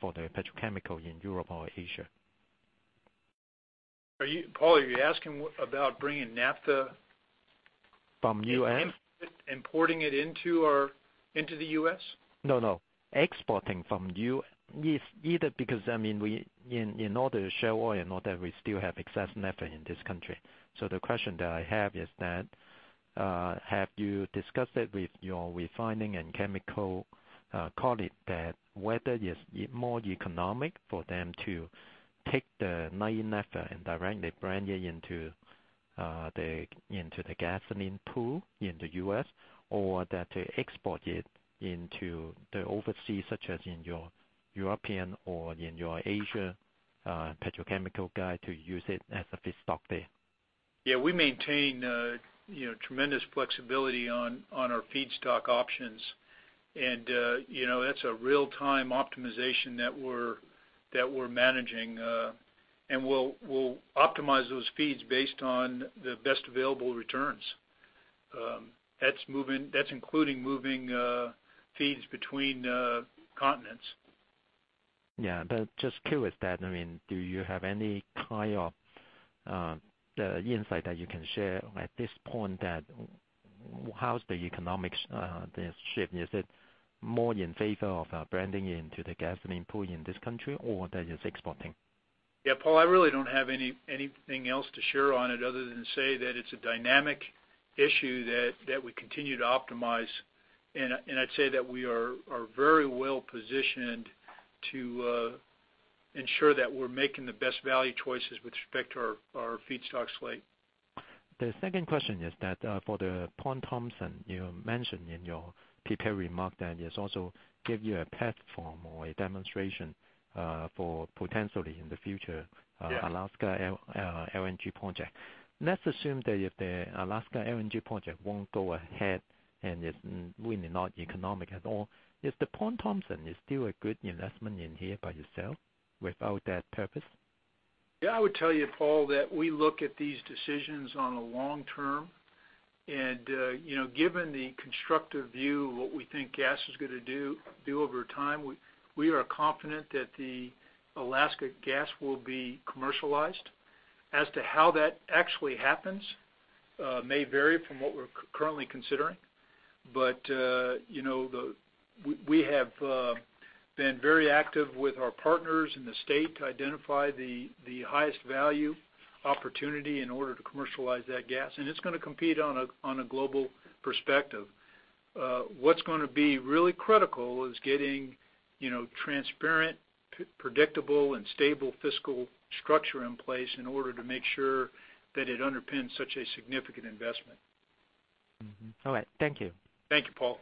Speaker 9: for the petrochemical in Europe or Asia?
Speaker 2: Paul, are you asking about bringing naphtha-
Speaker 9: From U.S.?
Speaker 2: Importing it into the U.S.?
Speaker 9: No. Exporting from U.S. either because in order to show oil, we still have excess naphtha in this country. The question that I have is that, have you discussed it with your refining and chemical colleague that whether it's more economic for them to take the nine naphtha and directly brand it into the gasoline pool in the U.S., or that they export it into the overseas, such as in your European or in your Asia petrochemical guy to use it as a feedstock there?
Speaker 2: We maintain tremendous flexibility on our feedstock options. That's a real-time optimization that we're managing. We'll optimize those feeds based on the best available returns. That's including moving feeds between continents.
Speaker 9: Just curious that, do you have any kind of insight that you can share at this point that how's the economics, the shift? Is it more in favor of blending into the gasoline pool in this country, or that it's exporting?
Speaker 2: Paul, I really don't have anything else to share on it other than say that it's a dynamic issue that we continue to optimize. I'd say that we are very well positioned to ensure that we're making the best value choices with respect to our feedstock slate.
Speaker 9: The second question is that for the Point Thomson you mentioned in your prepared remark that it also give you a platform or a demonstration for potentially in the future Yeah Alaska LNG project. Let's assume that if the Alaska LNG project won't go ahead and it's really not economic at all, is the Point Thomson is still a good investment in here by yourself without that purpose?
Speaker 2: Yeah, I would tell you, Paul, that we look at these decisions on a long term. Given the constructive view of what we think gas is going to do over time, we are confident that the Alaska gas will be commercialized. As to how that actually happens may vary from what we're currently considering. We have been very active with our partners in the state to identify the highest value opportunity in order to commercialize that gas, and it's going to compete on a global perspective. What's going to be really critical is getting transparent, predictable, and stable fiscal structure in place in order to make sure that it underpins such a significant investment.
Speaker 9: All right. Thank you.
Speaker 2: Thank you, Paul.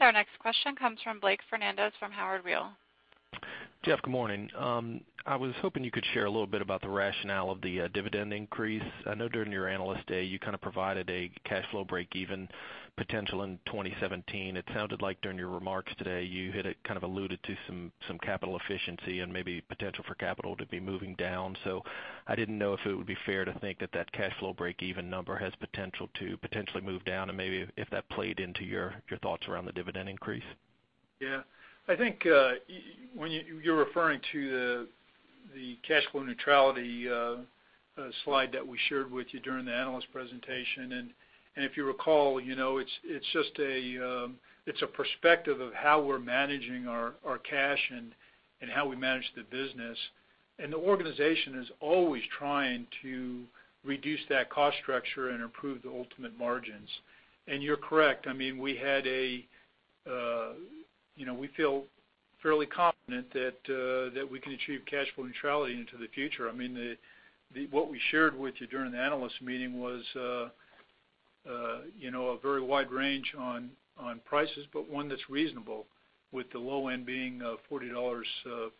Speaker 1: Our next question comes from Blake Fernandez from Howard Weil.
Speaker 10: Jeff, good morning. I was hoping you could share a little bit about the rationale of the dividend increase. I know during your Analyst Day, you provided a cash flow breakeven potential in 2017. It sounded like during your remarks today, you had alluded to some capital efficiency and maybe potential for capital to be moving down. I didn't know if it would be fair to think that that cash flow breakeven number has potential to potentially move down and maybe if that played into your thoughts around the dividend increase.
Speaker 2: Yeah. I think you're referring to the cash flow neutrality slide that we shared with you during the Analyst presentation. If you recall, it's a perspective of how we're managing our cash and how we manage the business. The organization is always trying to reduce that cost structure and improve the ultimate margins. You're correct. We feel fairly confident that we can achieve cash flow neutrality into the future. What we shared with you during the Analyst meeting was a very wide range on prices, but one that's reasonable with the low end being $40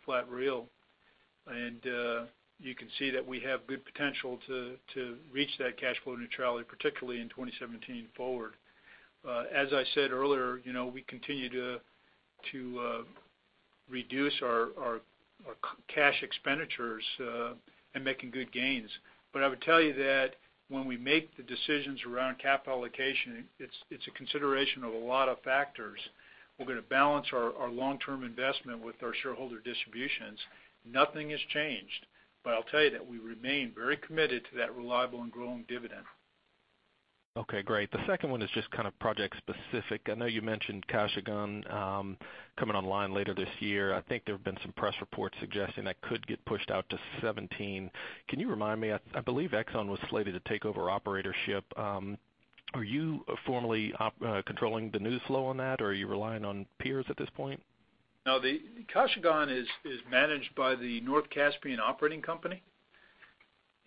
Speaker 2: flat real. You can see that we have good potential to reach that cash flow neutrality, particularly in 2017 forward. As I said earlier, we continue to reduce our cash expenditures and making good gains. I would tell you that when we make the decisions around capital allocation, it's a consideration of a lot of factors. We're going to balance our long-term investment with our shareholder distributions. Nothing has changed. I'll tell you that we remain very committed to that reliable and growing dividend.
Speaker 10: Okay, great. The second one is just project specific. I know you mentioned Kashagan coming online later this year. I think there have been some press reports suggesting that could get pushed out to 2017. Can you remind me? I believe Exxon was slated to take over operatorship. Are you formally controlling the news flow on that, or are you relying on peers at this point?
Speaker 2: No, the Kashagan is managed by the North Caspian Operating Company.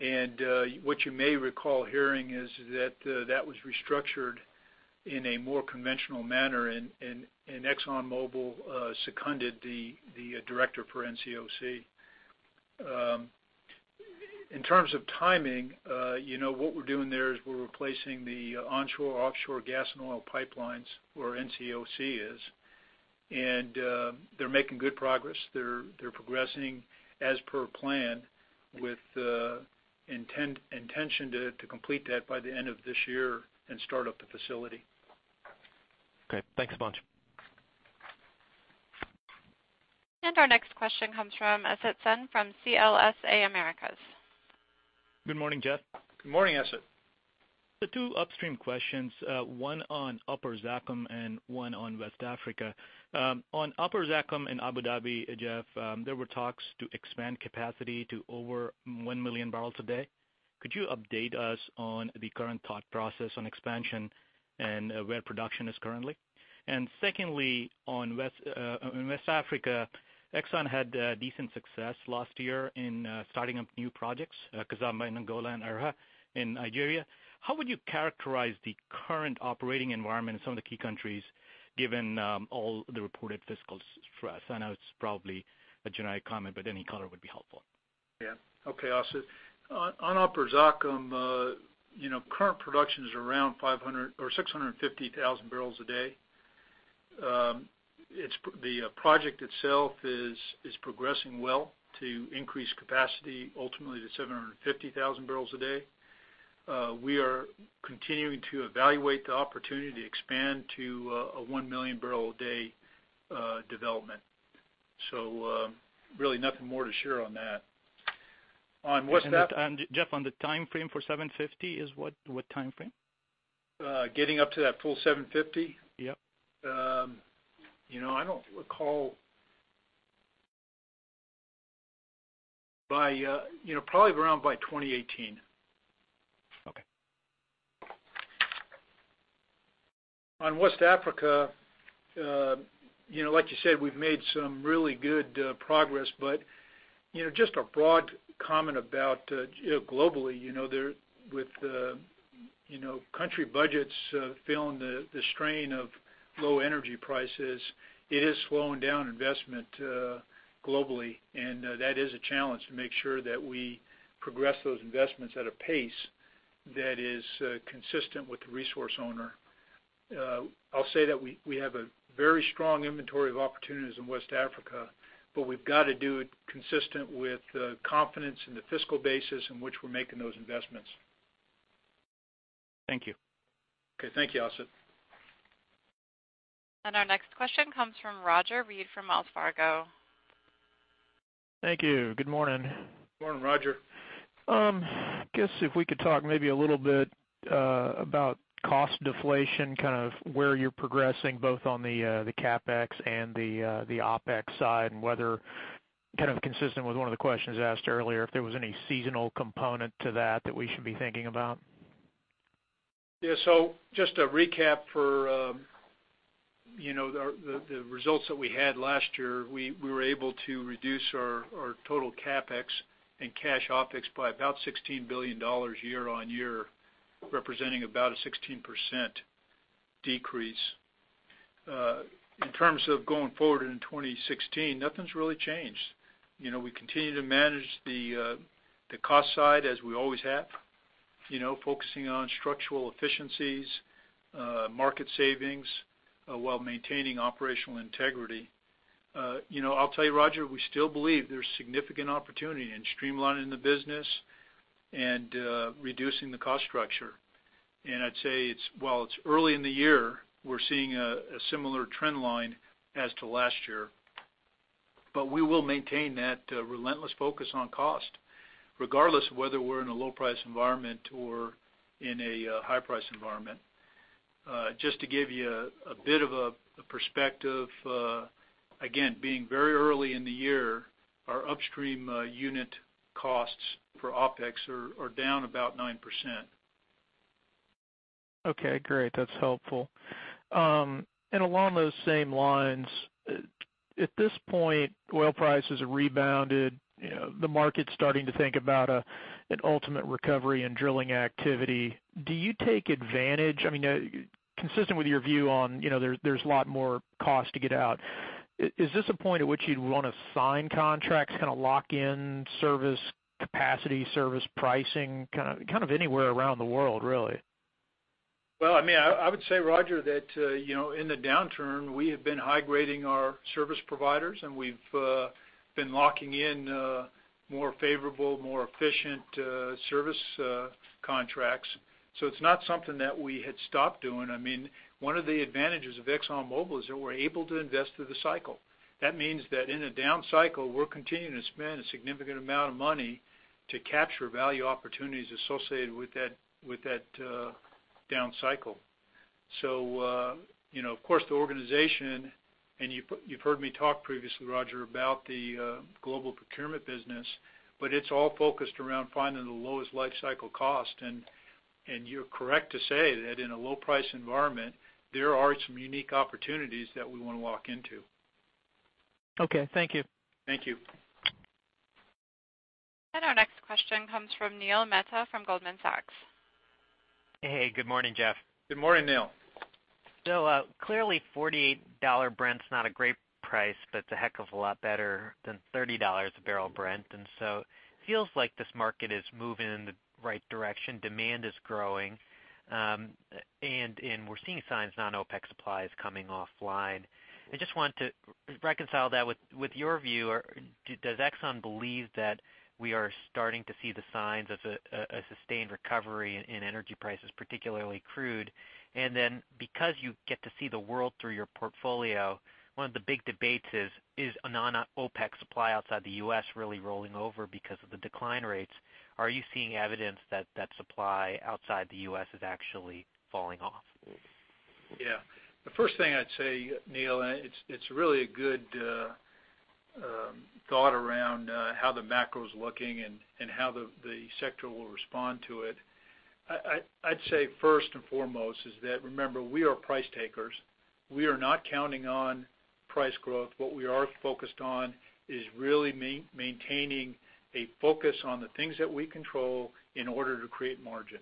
Speaker 2: What you may recall hearing is that that was restructured in a more conventional manner, and ExxonMobil seconded the director for NCOC. In terms of timing, what we're doing there is we're replacing the onshore-offshore gas and oil pipelines where NCOC is, and they're making good progress. They're progressing as per plan with intention to complete that by the end of this year and start up the facility.
Speaker 10: Okay. Thanks a bunch.
Speaker 1: Our next question comes from Asit Sen from CLSA Americas.
Speaker 11: Good morning, Jeff.
Speaker 2: Good morning, Asit.
Speaker 11: Two upstream questions, one on Upper Zakum and one on West Africa. On Upper Zakum in Abu Dhabi, Jeff, there were talks to expand capacity to over 1 million barrels a day. Could you update us on the current thought process on expansion and where production is currently? Secondly, on West Africa, Exxon had decent success last year in starting up new projects, Kizomba in Angola and Erha in Nigeria. How would you characterize the current operating environment in some of the key countries, given all the reported fiscal stress? I know it's probably a generic comment, but any color would be helpful.
Speaker 2: Yeah. Okay, Asit. On Upper Zakum, current production is around 650,000 barrels a day. The project itself is progressing well to increase capacity ultimately to 750,000 barrels a day. We are continuing to evaluate the opportunity to expand to a 1 million barrel a day development. Really nothing more to share on that.
Speaker 11: Jeff, on the time frame for 750, is what time frame?
Speaker 2: Getting up to that full 750?
Speaker 11: Yep.
Speaker 2: I don't recall. Probably around by 2018.
Speaker 11: Okay.
Speaker 2: On West Africa, like you said, we've made some really good progress, just a broad comment about globally, with country budgets feeling the strain of low energy prices, it is slowing down investment globally. That is a challenge to make sure that we progress those investments at a pace that is consistent with the resource owner. I'll say that we have a very strong inventory of opportunities in West Africa, we've got to do it consistent with the confidence in the fiscal basis in which we're making those investments.
Speaker 11: Thank you.
Speaker 2: Okay. Thank you, Asit.
Speaker 1: Our next question comes from Roger Read from Wells Fargo.
Speaker 12: Thank you. Good morning.
Speaker 2: Good morning, Roger.
Speaker 12: I guess if we could talk maybe a little bit about cost deflation, where you're progressing, both on the CapEx and the OpEx side, and whether, consistent with one of the questions asked earlier, if there was any seasonal component to that that we should be thinking about?
Speaker 2: Yeah. Just to recap for the results that we had last year, we were able to reduce our total CapEx and cash OpEx by about $16 billion year-on-year, representing about a 16% decrease. In terms of going forward in 2016, nothing's really changed. We continue to manage the cost side as we always have, focusing on structural efficiencies, market savings, while maintaining operational integrity. I'll tell you, Roger, we still believe there's significant opportunity in streamlining the business and reducing the cost structure. I'd say, while it's early in the year, we're seeing a similar trend line as to last year. We will maintain that relentless focus on cost, regardless of whether we're in a low price environment or in a high price environment. Just to give you a bit of a perspective, again, being very early in the year, our upstream unit costs for OpEx are down about 9%.
Speaker 12: Along those same lines, at this point, oil prices have rebounded. The market's starting to think about an ultimate recovery in drilling activity. Do you take advantage? Consistent with your view on there's a lot more cost to get out, is this a point at which you'd want to sign contracts, lock in service capacity, service pricing, anywhere around the world, really?
Speaker 2: Well, I would say, Roger, that in the downturn, we have been high-grading our service providers, and we've been locking in more favorable, more efficient service contracts. It's not something that we had stopped doing. One of the advantages of ExxonMobil is that we're able to invest through the cycle. That means that in a down cycle, we're continuing to spend a significant amount of money to capture value opportunities associated with that down cycle. Of course the organization, and you've heard me talk previously, Roger, about the global procurement business, but it's all focused around finding the lowest lifecycle cost. You're correct to say that in a low-price environment, there are some unique opportunities that we want to lock into.
Speaker 12: Okay. Thank you.
Speaker 2: Thank you.
Speaker 1: Our next question comes from Neil Mehta from Goldman Sachs.
Speaker 13: Hey. Good morning, Jeff.
Speaker 2: Good morning, Neil.
Speaker 13: Clearly $48 Brent's not a great price, but it's a heck of a lot better than $30 a barrel Brent. It feels like this market is moving in the right direction. Demand is growing, and we're seeing signs non-OPEC supply is coming offline. I just want to reconcile that with your view. Does Exxon believe that we are starting to see the signs of a sustained recovery in energy prices, particularly crude? Then, because you get to see the world through your portfolio, one of the big debates is a non-OPEC supply outside the U.S. really rolling over because of the decline rates? Are you seeing evidence that that supply outside the U.S. is actually falling off?
Speaker 2: Yeah. The first thing I'd say, Neil, it's really a good thought around how the macro's looking and how the sector will respond to it. I'd say first and foremost is that, remember, we are price takers. We are not counting on price growth. What we are focused on is really maintaining a focus on the things that we control in order to create margin.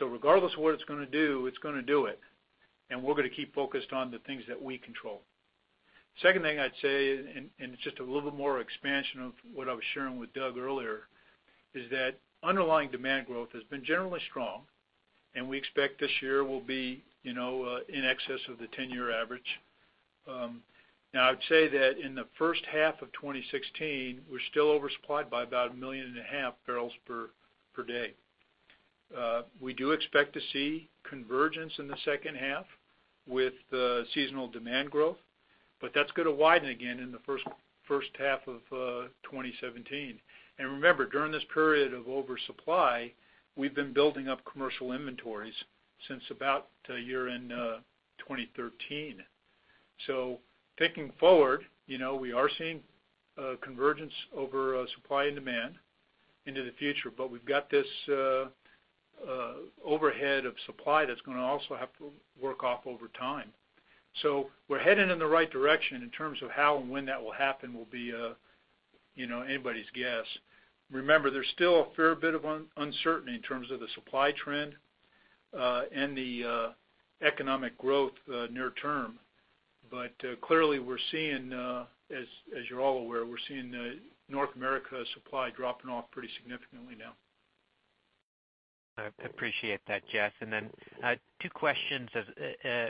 Speaker 2: Regardless of what it's going to do, it's going to do it, and we're going to keep focused on the things that we control. Second thing I'd say, it's just a little bit more expansion of what I was sharing with Doug earlier, is that underlying demand growth has been generally strong, and we expect this year will be in excess of the 10-year average. I would say that in the first half of 2016, we're still oversupplied by about 1.5 million barrels per day. We do expect to see convergence in the second half with the seasonal demand growth, that's going to widen again in the first half of 2017. Remember, during this period of oversupply, we've been building up commercial inventories since about year-end 2013. Thinking forward, we are seeing convergence over supply and demand into the future, we've got this overhead of supply that's going to also have to work off over time. We're headed in the right direction. In terms of how and when that will happen will be anybody's guess. Remember, there's still a fair bit of uncertainty in terms of the supply trend and the economic growth near term. Clearly we're seeing, as you're all aware, we're seeing North America supply dropping off pretty significantly now.
Speaker 13: I appreciate that, Jeff. Two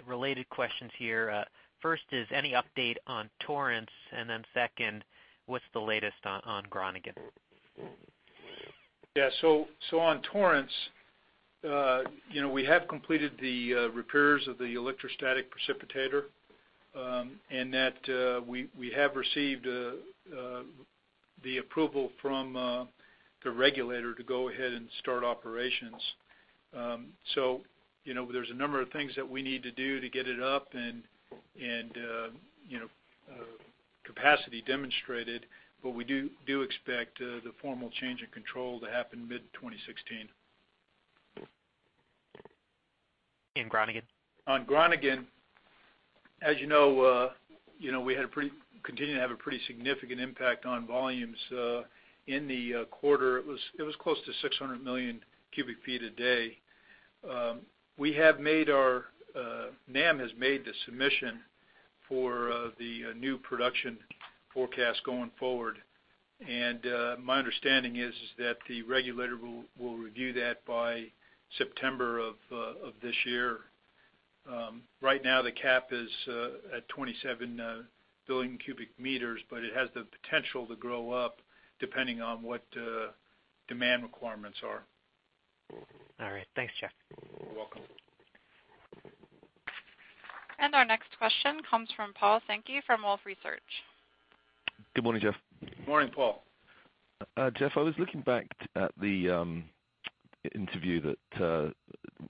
Speaker 13: related questions here. First is any update on Torrance, second, what's the latest on Groningen?
Speaker 2: Yeah. On Torrance, we have completed the repairs of the electrostatic precipitator, that we have received the approval from the regulator to go ahead and start operations. There's a number of things that we need to do to get it up and capacity demonstrated, we do expect the formal change in control to happen mid-2016. Groningen? On Groningen, as you know we continue to have a pretty significant impact on volumes in the quarter. It was close to 600 million cubic feet a day. NAM has made the submission for the new production forecast going forward, my understanding is that the regulator will review that by September of this year. Right now the cap is at 27 billion cubic meters, it has the potential to grow up depending on what the demand requirements are.
Speaker 13: All right. Thanks, Jeff.
Speaker 2: You're welcome.
Speaker 1: Our next question comes from Paul Sankey from Wolfe Research.
Speaker 14: Good morning, Jeff.
Speaker 2: Morning, Paul.
Speaker 14: Jeff, I was looking back at the interview that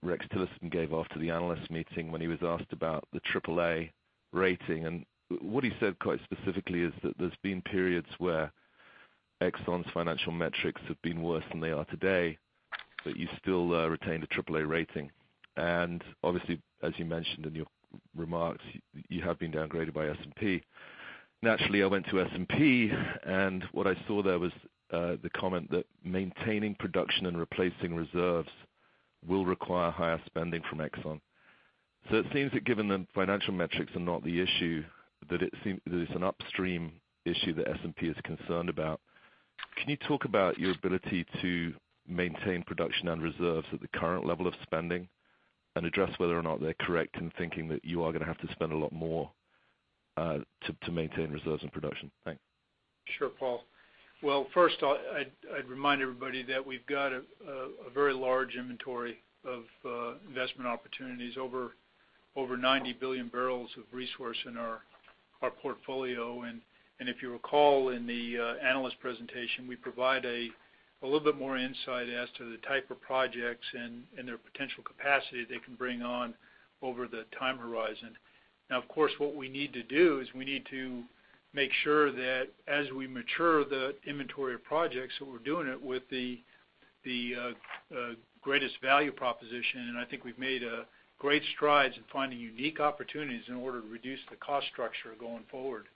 Speaker 14: Rex Tillerson gave after the analyst meeting when he was asked about the AAA rating. What he said quite specifically is that there's been periods where Exxon's financial metrics have been worse than they are today, but you still retained a AAA rating. Obviously, as you mentioned in your remarks, you have been downgraded by S&P. Naturally, I went to S&P, what I saw there was the comment that maintaining production and replacing reserves will require higher spending from Exxon. It seems that given the financial metrics are not the issue, that it's an upstream issue that S&P is concerned about. Can you talk about your ability to maintain production and reserves at the current level of spending and address whether or not they're correct in thinking that you are going to have to spend a lot more to maintain reserves and production? Thanks.
Speaker 2: Sure, Paul. First I'd remind everybody that we've got a very large inventory of investment opportunities, over 90 billion barrels of resource in Our portfolio, if you recall in the analyst presentation, we provide a little bit more insight as to the type of projects and their potential capacity they can bring on over the time horizon. Of course, what we need to do is we need to make sure that as we mature the inventory of projects, that we're doing it with the greatest value proposition, I think we've made great strides in finding unique opportunities in order to reduce the cost structure going forward.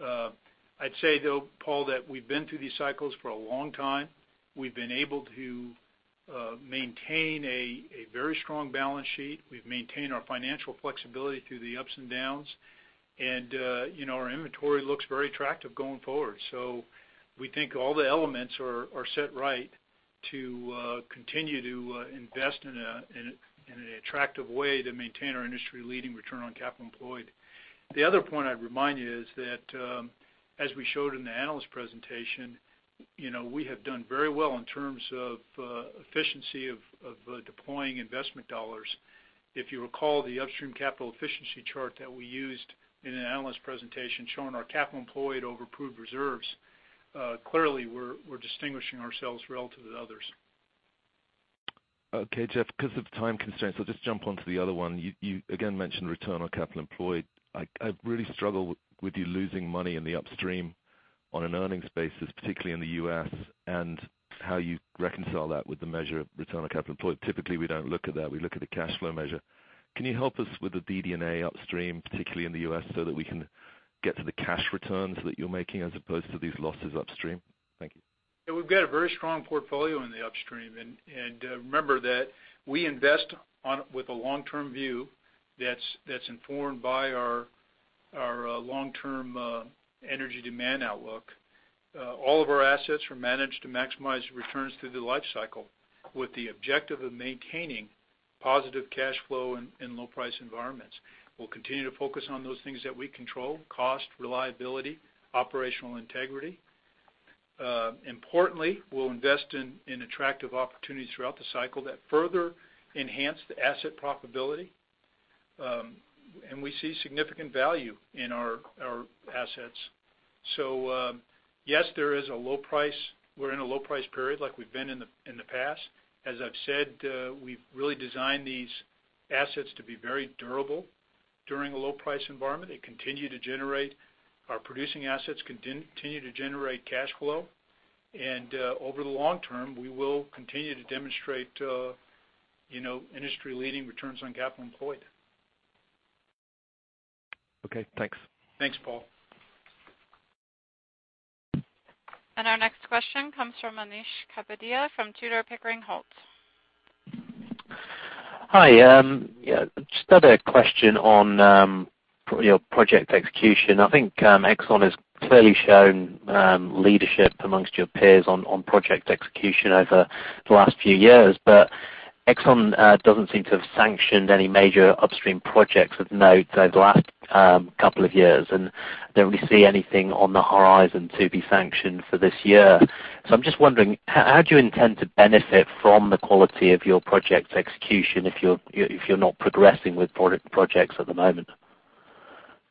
Speaker 2: I'd say, though, Paul, that we've been through these cycles for a long time. We've been able to maintain a very strong balance sheet. We've maintained our financial flexibility through the ups and downs, our inventory looks very attractive going forward. We think all the elements are set right to continue to invest in an attractive way to maintain our industry-leading return on capital employed. The other point I'd remind you is that, as we showed in the analyst presentation, we have done very well in terms of efficiency of deploying investment dollars. If you recall the upstream capital efficiency chart that we used in an analyst presentation showing our capital employed over proved reserves, clearly we're distinguishing ourselves relative to others.
Speaker 14: Okay, Jeff, because of time constraints, I'll just jump onto the other one. You again mentioned return on capital employed. I really struggle with you losing money in the upstream on an earnings basis, particularly in the U.S., and how you reconcile that with the measure of return on capital employed. Typically, we don't look at that. We look at the cash flow measure. Can you help us with the DD&A upstream, particularly in the U.S., so that we can get to the cash returns that you're making as opposed to these losses upstream? Thank you.
Speaker 2: Yeah, we've got a very strong portfolio in the upstream. Remember that we invest with a long-term view that's informed by our long-term energy demand outlook. All of our assets are managed to maximize returns through the life cycle with the objective of maintaining positive cash flow in low-price environments. We'll continue to focus on those things that we control: cost, reliability, operational integrity. Importantly, we'll invest in attractive opportunities throughout the cycle that further enhance the asset profitability. We see significant value in our assets. Yes, we're in a low price period like we've been in the past. As I've said, we've really designed these assets to be very durable during a low-price environment. Our producing assets continue to generate cash flow. Over the long term, we will continue to demonstrate industry-leading returns on capital employed.
Speaker 14: Okay, thanks.
Speaker 2: Thanks, Paul.
Speaker 1: Our next question comes from Anish Kapadia from Tudor, Pickering Holt.
Speaker 15: Hi. Just another question on your project execution. I think Exxon has clearly shown leadership amongst your peers on project execution over the last few years. Exxon doesn't seem to have sanctioned any major upstream projects of note over the last couple of years, and I don't really see anything on the horizon to be sanctioned for this year. I'm just wondering, how do you intend to benefit from the quality of your project execution if you're not progressing with projects at the moment?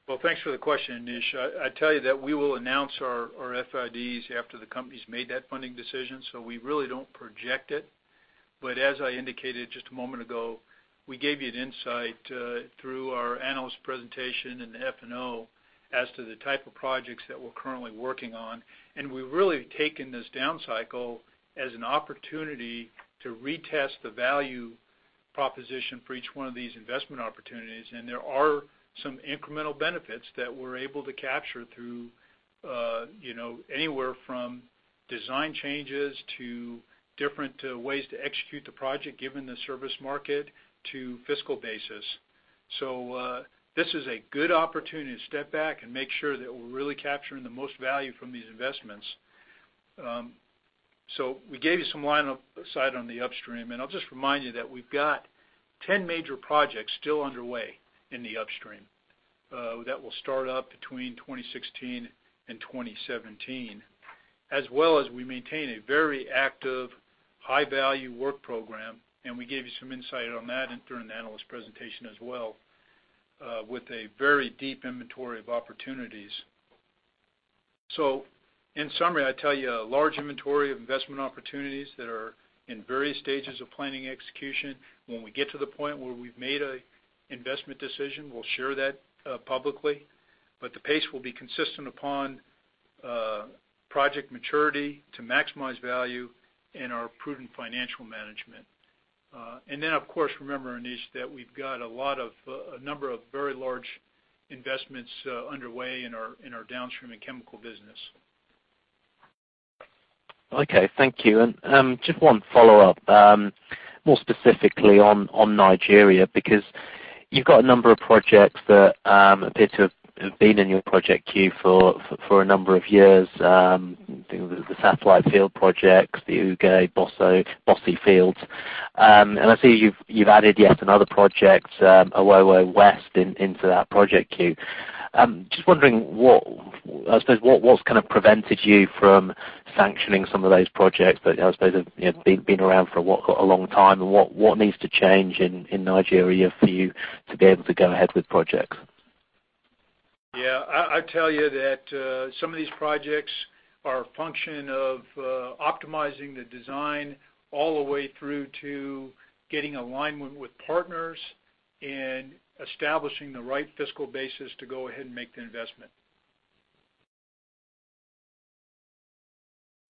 Speaker 2: Well, thanks for the question, Anish. I tell you that we will announce our FIDs after the company's made that funding decision, we really don't project it. As I indicated just a moment ago, we gave you an insight through our analyst presentation in the F&O as to the type of projects that we're currently working on. We've really taken this down cycle as an opportunity to retest the value proposition for each one of these investment opportunities, and there are some incremental benefits that we're able to capture through anywhere from design changes to different ways to execute the project given the service market, to fiscal basis. This is a good opportunity to step back and make sure that we're really capturing the most value from these investments. We gave you some line of sight on the upstream, I'll just remind you that we've got 10 major projects still underway in the upstream that will start up between 2016 and 2017. As well as we maintain a very active high-value work program, we gave you some insight on that during the analyst presentation as well with a very deep inventory of opportunities. In summary, I tell you a large inventory of investment opportunities that are in various stages of planning execution. When we get to the point where we've made an investment decision, we'll share that publicly. The pace will be consistent upon project maturity to maximize value and our prudent financial management. Then, of course, remember, Anish, that we've got a number of very large investments underway in our downstream and chemical business.
Speaker 15: Okay. Thank you. Just one follow-up, more specifically on Nigeria, because you've got a number of projects that appear to have been in your project queue for a number of years. The Satellite Field projects, the Usan, Bosi fields. I see you've added yet another project, Owowo West, into that project queue. I'm just wondering what I suppose what's kind of prevented you from sanctioning some of those projects that I suppose have been around for a long time? What needs to change in Nigeria for you to be able to go ahead with projects?
Speaker 2: Yeah. I tell you that some of these projects are a function of optimizing the design all the way through to getting alignment with partners and establishing the right fiscal basis to go ahead and make the investment.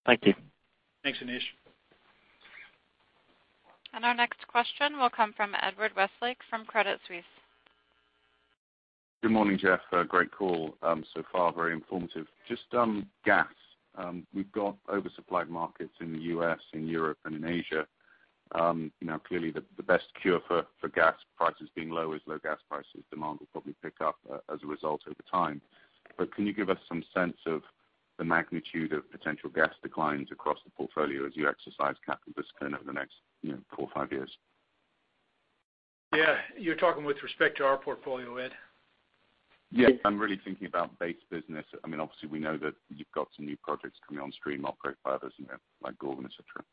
Speaker 15: Thank you.
Speaker 2: Thanks, Anish.
Speaker 1: Our next question will come from Edward Westlake from Credit Suisse.
Speaker 16: Good morning, Jeff. Great call. So far very informative. Just gas. We've got oversupplied markets in the U.S., in Europe, and in Asia. Clearly, the best cure for gas prices being low is low gas prices. Demand will probably pick up as a result over time. Can you give us some sense of the magnitude of potential gas declines across the portfolio as you exercise capital discipline over the next four or five years?
Speaker 2: Yeah. You're talking with respect to our portfolio, Ed?
Speaker 16: Yes, I'm really thinking about base business. Obviously, we know that you've got some new projects coming on stream, operate by others, like Gorgon, et cetera.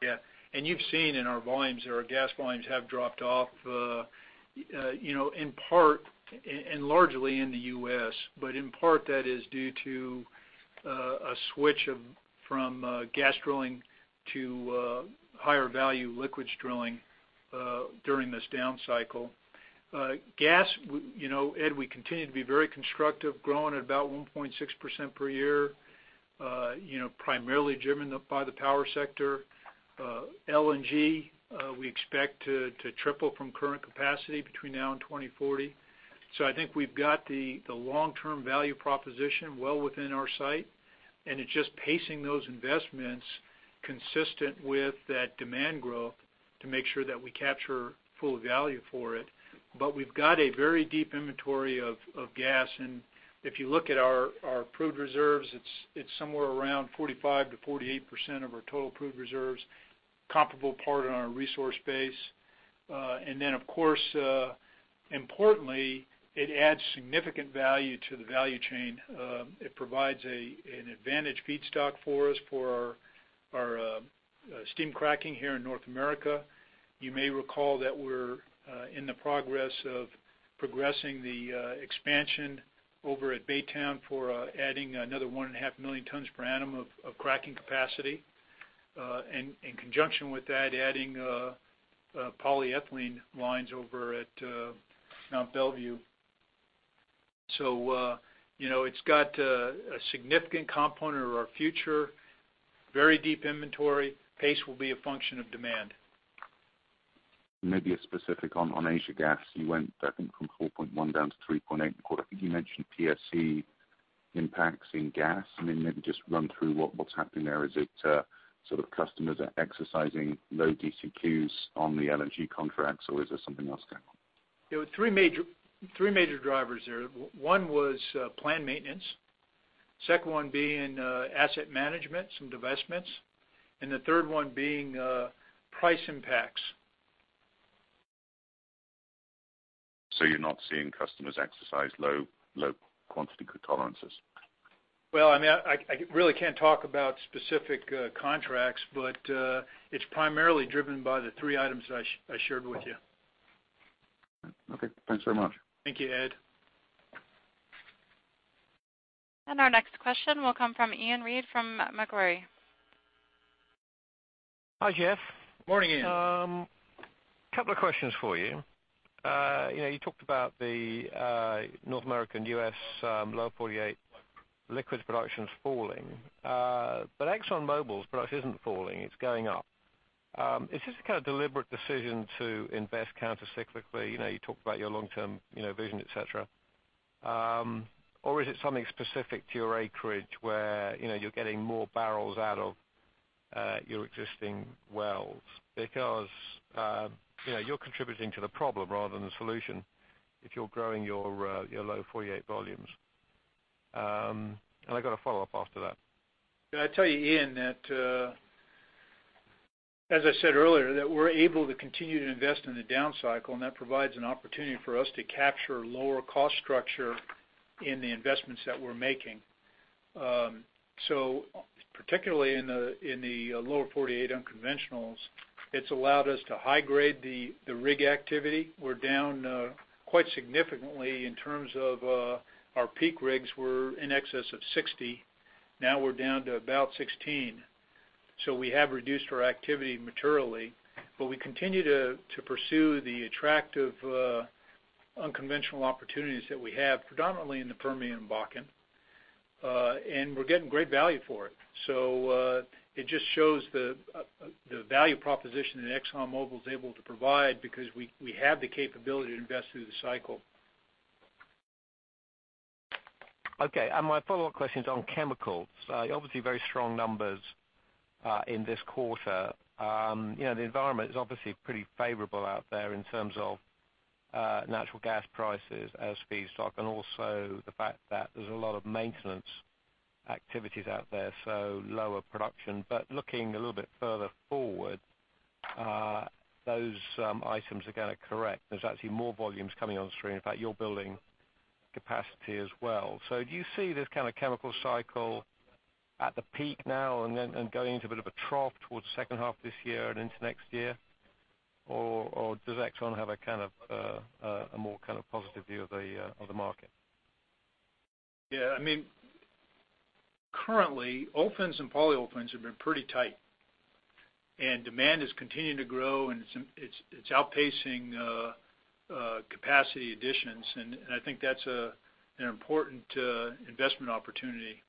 Speaker 2: Yeah. You've seen in our volumes, our gas volumes have dropped off in part and largely in the U.S., but in part that is due to a switch from gas drilling to higher value liquids drilling during this down cycle. Gas, Ed, we continue to be very constructive, growing at about 1.6% per year primarily driven by the power sector. LNG we expect to triple from current capacity between now and 2040. I think we've got the long-term value proposition well within our sight, and it's just pacing those investments consistent with that demand growth to make sure that we capture full value for it. We've got a very deep inventory of gas, and if you look at our proved reserves, it's somewhere around 45%-48% of our total proved reserves, comparable part in our resource base. Of course importantly, it adds significant value to the value chain. It provides an advantage feedstock for us for our steam cracking here in North America. You may recall that we're in the progress of progressing the expansion over at Baytown for adding another 1.5 million tons per annum of cracking capacity. In conjunction with that, adding polyethylene lines over at Mont Belvieu. It's got a significant component of our future, very deep inventory. Pace will be a function of demand.
Speaker 16: Maybe a specific on Asia Gas. You went, I think, from 4.1 down to 3.8 in the quarter. I think you mentioned PSC impacts in gas. Maybe just run through what's happening there. Is it sort of customers are exercising low DCQ on the LNG contracts or is there something else going on?
Speaker 2: There were three major drivers there. One was planned maintenance, second one being asset management, some divestments, and the third one being price impacts.
Speaker 16: You're not seeing customers exercise low quantity tolerances?
Speaker 2: I really can't talk about specific contracts, but it's primarily driven by the three items that I shared with you.
Speaker 16: Thanks very much.
Speaker 2: Thank you, Ed.
Speaker 1: Our next question will come from Iain Reid from Macquarie.
Speaker 17: Hi, Jeff.
Speaker 2: Morning, Iain.
Speaker 17: Couple of questions for you. You talked about the North American U.S. Lower 48 liquids production's falling. ExxonMobil's production isn't falling, it's going up. Is this a kind of deliberate decision to invest countercyclically? You talked about your long-term vision, et cetera. Is it something specific to your acreage where you're getting more barrels out of your existing wells? Because you're contributing to the problem rather than the solution if you're growing your Lower 48 volumes. I got a follow-up after that.
Speaker 2: I tell you, Iain, that as I said earlier, that we're able to continue to invest in the down cycle, that provides an opportunity for us to capture lower cost structure in the investments that we're making. Particularly in the Lower 48 unconventionals, it's allowed us to high-grade the rig activity. We're down quite significantly in terms of our peak rigs were in excess of 60. Now we're down to about 16. We have reduced our activity materially. We continue to pursue the attractive unconventional opportunities that we have, predominantly in the Permian and Bakken. We're getting great value for it. It just shows the value proposition that ExxonMobil's able to provide because we have the capability to invest through the cycle.
Speaker 17: Okay. My follow-up question is on chemicals. Obviously very strong numbers in this quarter. The environment is obviously pretty favorable out there in terms of natural gas prices as feedstock, and also the fact that there's a lot of maintenance activities out there, so lower production. Looking a little bit further forward Those items are correct. There's actually more volumes coming on stream. In fact, you're building capacity as well. Do you see this kind of chemical cycle at the peak now and then going into a bit of a trough towards the second half of this year and into next year? Or does Exxon have a more positive view of the market?
Speaker 2: Yeah. Currently, olefins and polyolefins have been pretty tight, demand is continuing to grow and it's outpacing capacity additions. I think that's an important investment opportunity.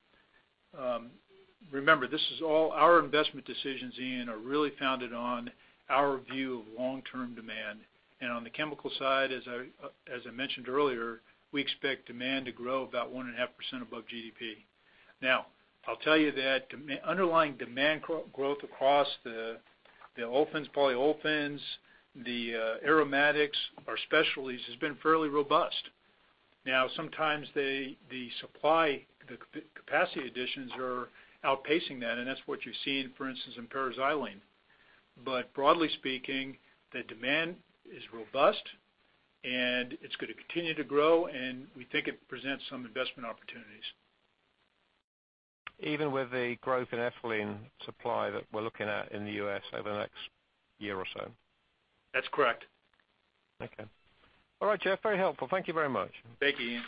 Speaker 2: Remember, our investment decisions, Iain, are really founded on our view of long-term demand. On the chemical side, as I mentioned earlier, we expect demand to grow about 1.5% above GDP. Now, I'll tell you that underlying demand growth across the olefins, polyolefins, the aromatics, our specialties, has been fairly robust. Now sometimes the supply, the capacity additions are outpacing that's what you've seen, for instance, in paraxylene. Broadly speaking, the demand is robust and it's going to continue to grow, we think it presents some investment opportunities.
Speaker 17: Even with the growth in ethylene supply that we're looking at in the U.S. over the next year or so?
Speaker 2: That's correct.
Speaker 17: Okay. All right, Jeff, very helpful. Thank you very much.
Speaker 2: Thank you,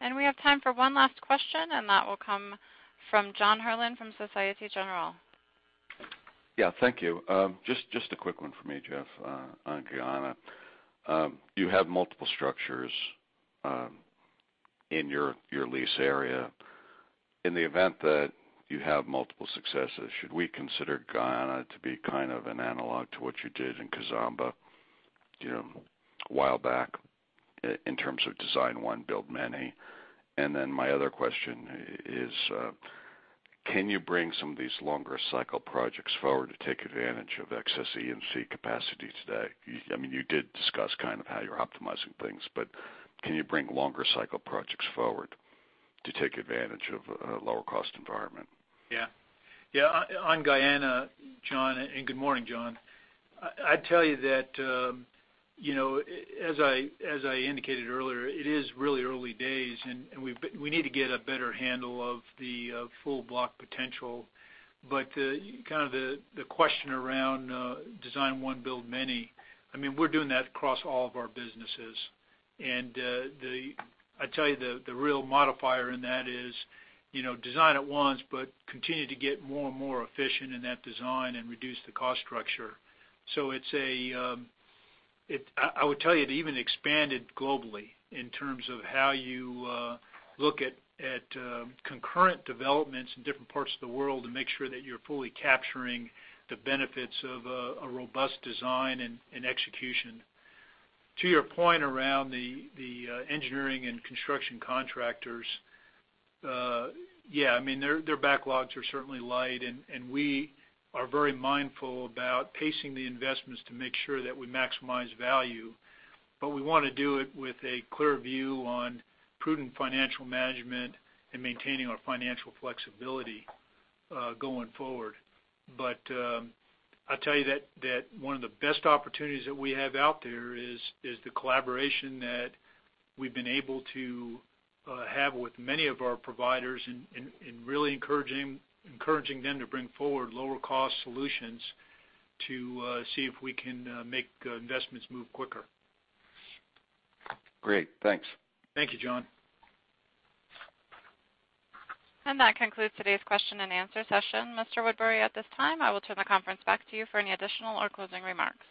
Speaker 2: Iain.
Speaker 1: We have time for one last question, and that will come from John Hurlin from Societe Generale.
Speaker 18: Yeah. Thank you. Just a quick one from me, Jeff, on Guyana. You have multiple structures in your lease area. In the event that you have multiple successes, should we consider Guyana to be kind of an analog to what you did in Kizomba a while back in terms of design 1, build many? My other question is, can you bring some of these longer cycle projects forward to take advantage of excess EPC capacity today? You did discuss how you're optimizing things, can you bring longer cycle projects forward to take advantage of a lower cost environment?
Speaker 2: Yeah. On Guyana, John, good morning, John. I'd tell you that as I indicated earlier, it is really early days, we need to get a better handle of the full block potential. The question around design 1, build many, we're doing that across all of our businesses. I'd tell you the real modifier in that is design it once, continue to get more and more efficient in that design and reduce the cost structure. I would tell you it even expanded globally in terms of how you look at concurrent developments in different parts of the world to make sure that you're fully capturing the benefits of a robust design and execution. To your point around the engineering and construction contractors, yeah, their backlogs are certainly light, we are very mindful about pacing the investments to make sure that we maximize value. We want to do it with a clear view on prudent financial management and maintaining our financial flexibility going forward. I'll tell you that one of the best opportunities that we have out there is the collaboration that we've been able to have with many of our providers and really encouraging them to bring forward lower cost solutions to see if we can make investments move quicker.
Speaker 18: Great. Thanks.
Speaker 2: Thank you, John.
Speaker 1: That concludes today's question and answer session. Mr. Woodbury, at this time, I will turn the conference back to you for any additional or closing remarks.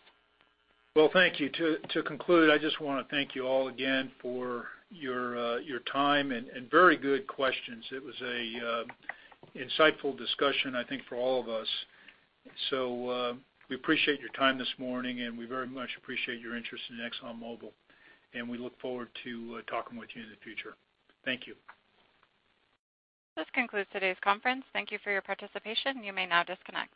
Speaker 2: Well, thank you. To conclude, I just want to thank you all again for your time and very good questions. It was an insightful discussion, I think, for all of us. We appreciate your time this morning, and we very much appreciate your interest in ExxonMobil, and we look forward to talking with you in the future. Thank you.
Speaker 1: This concludes today's conference. Thank you for your participation. You may now disconnect.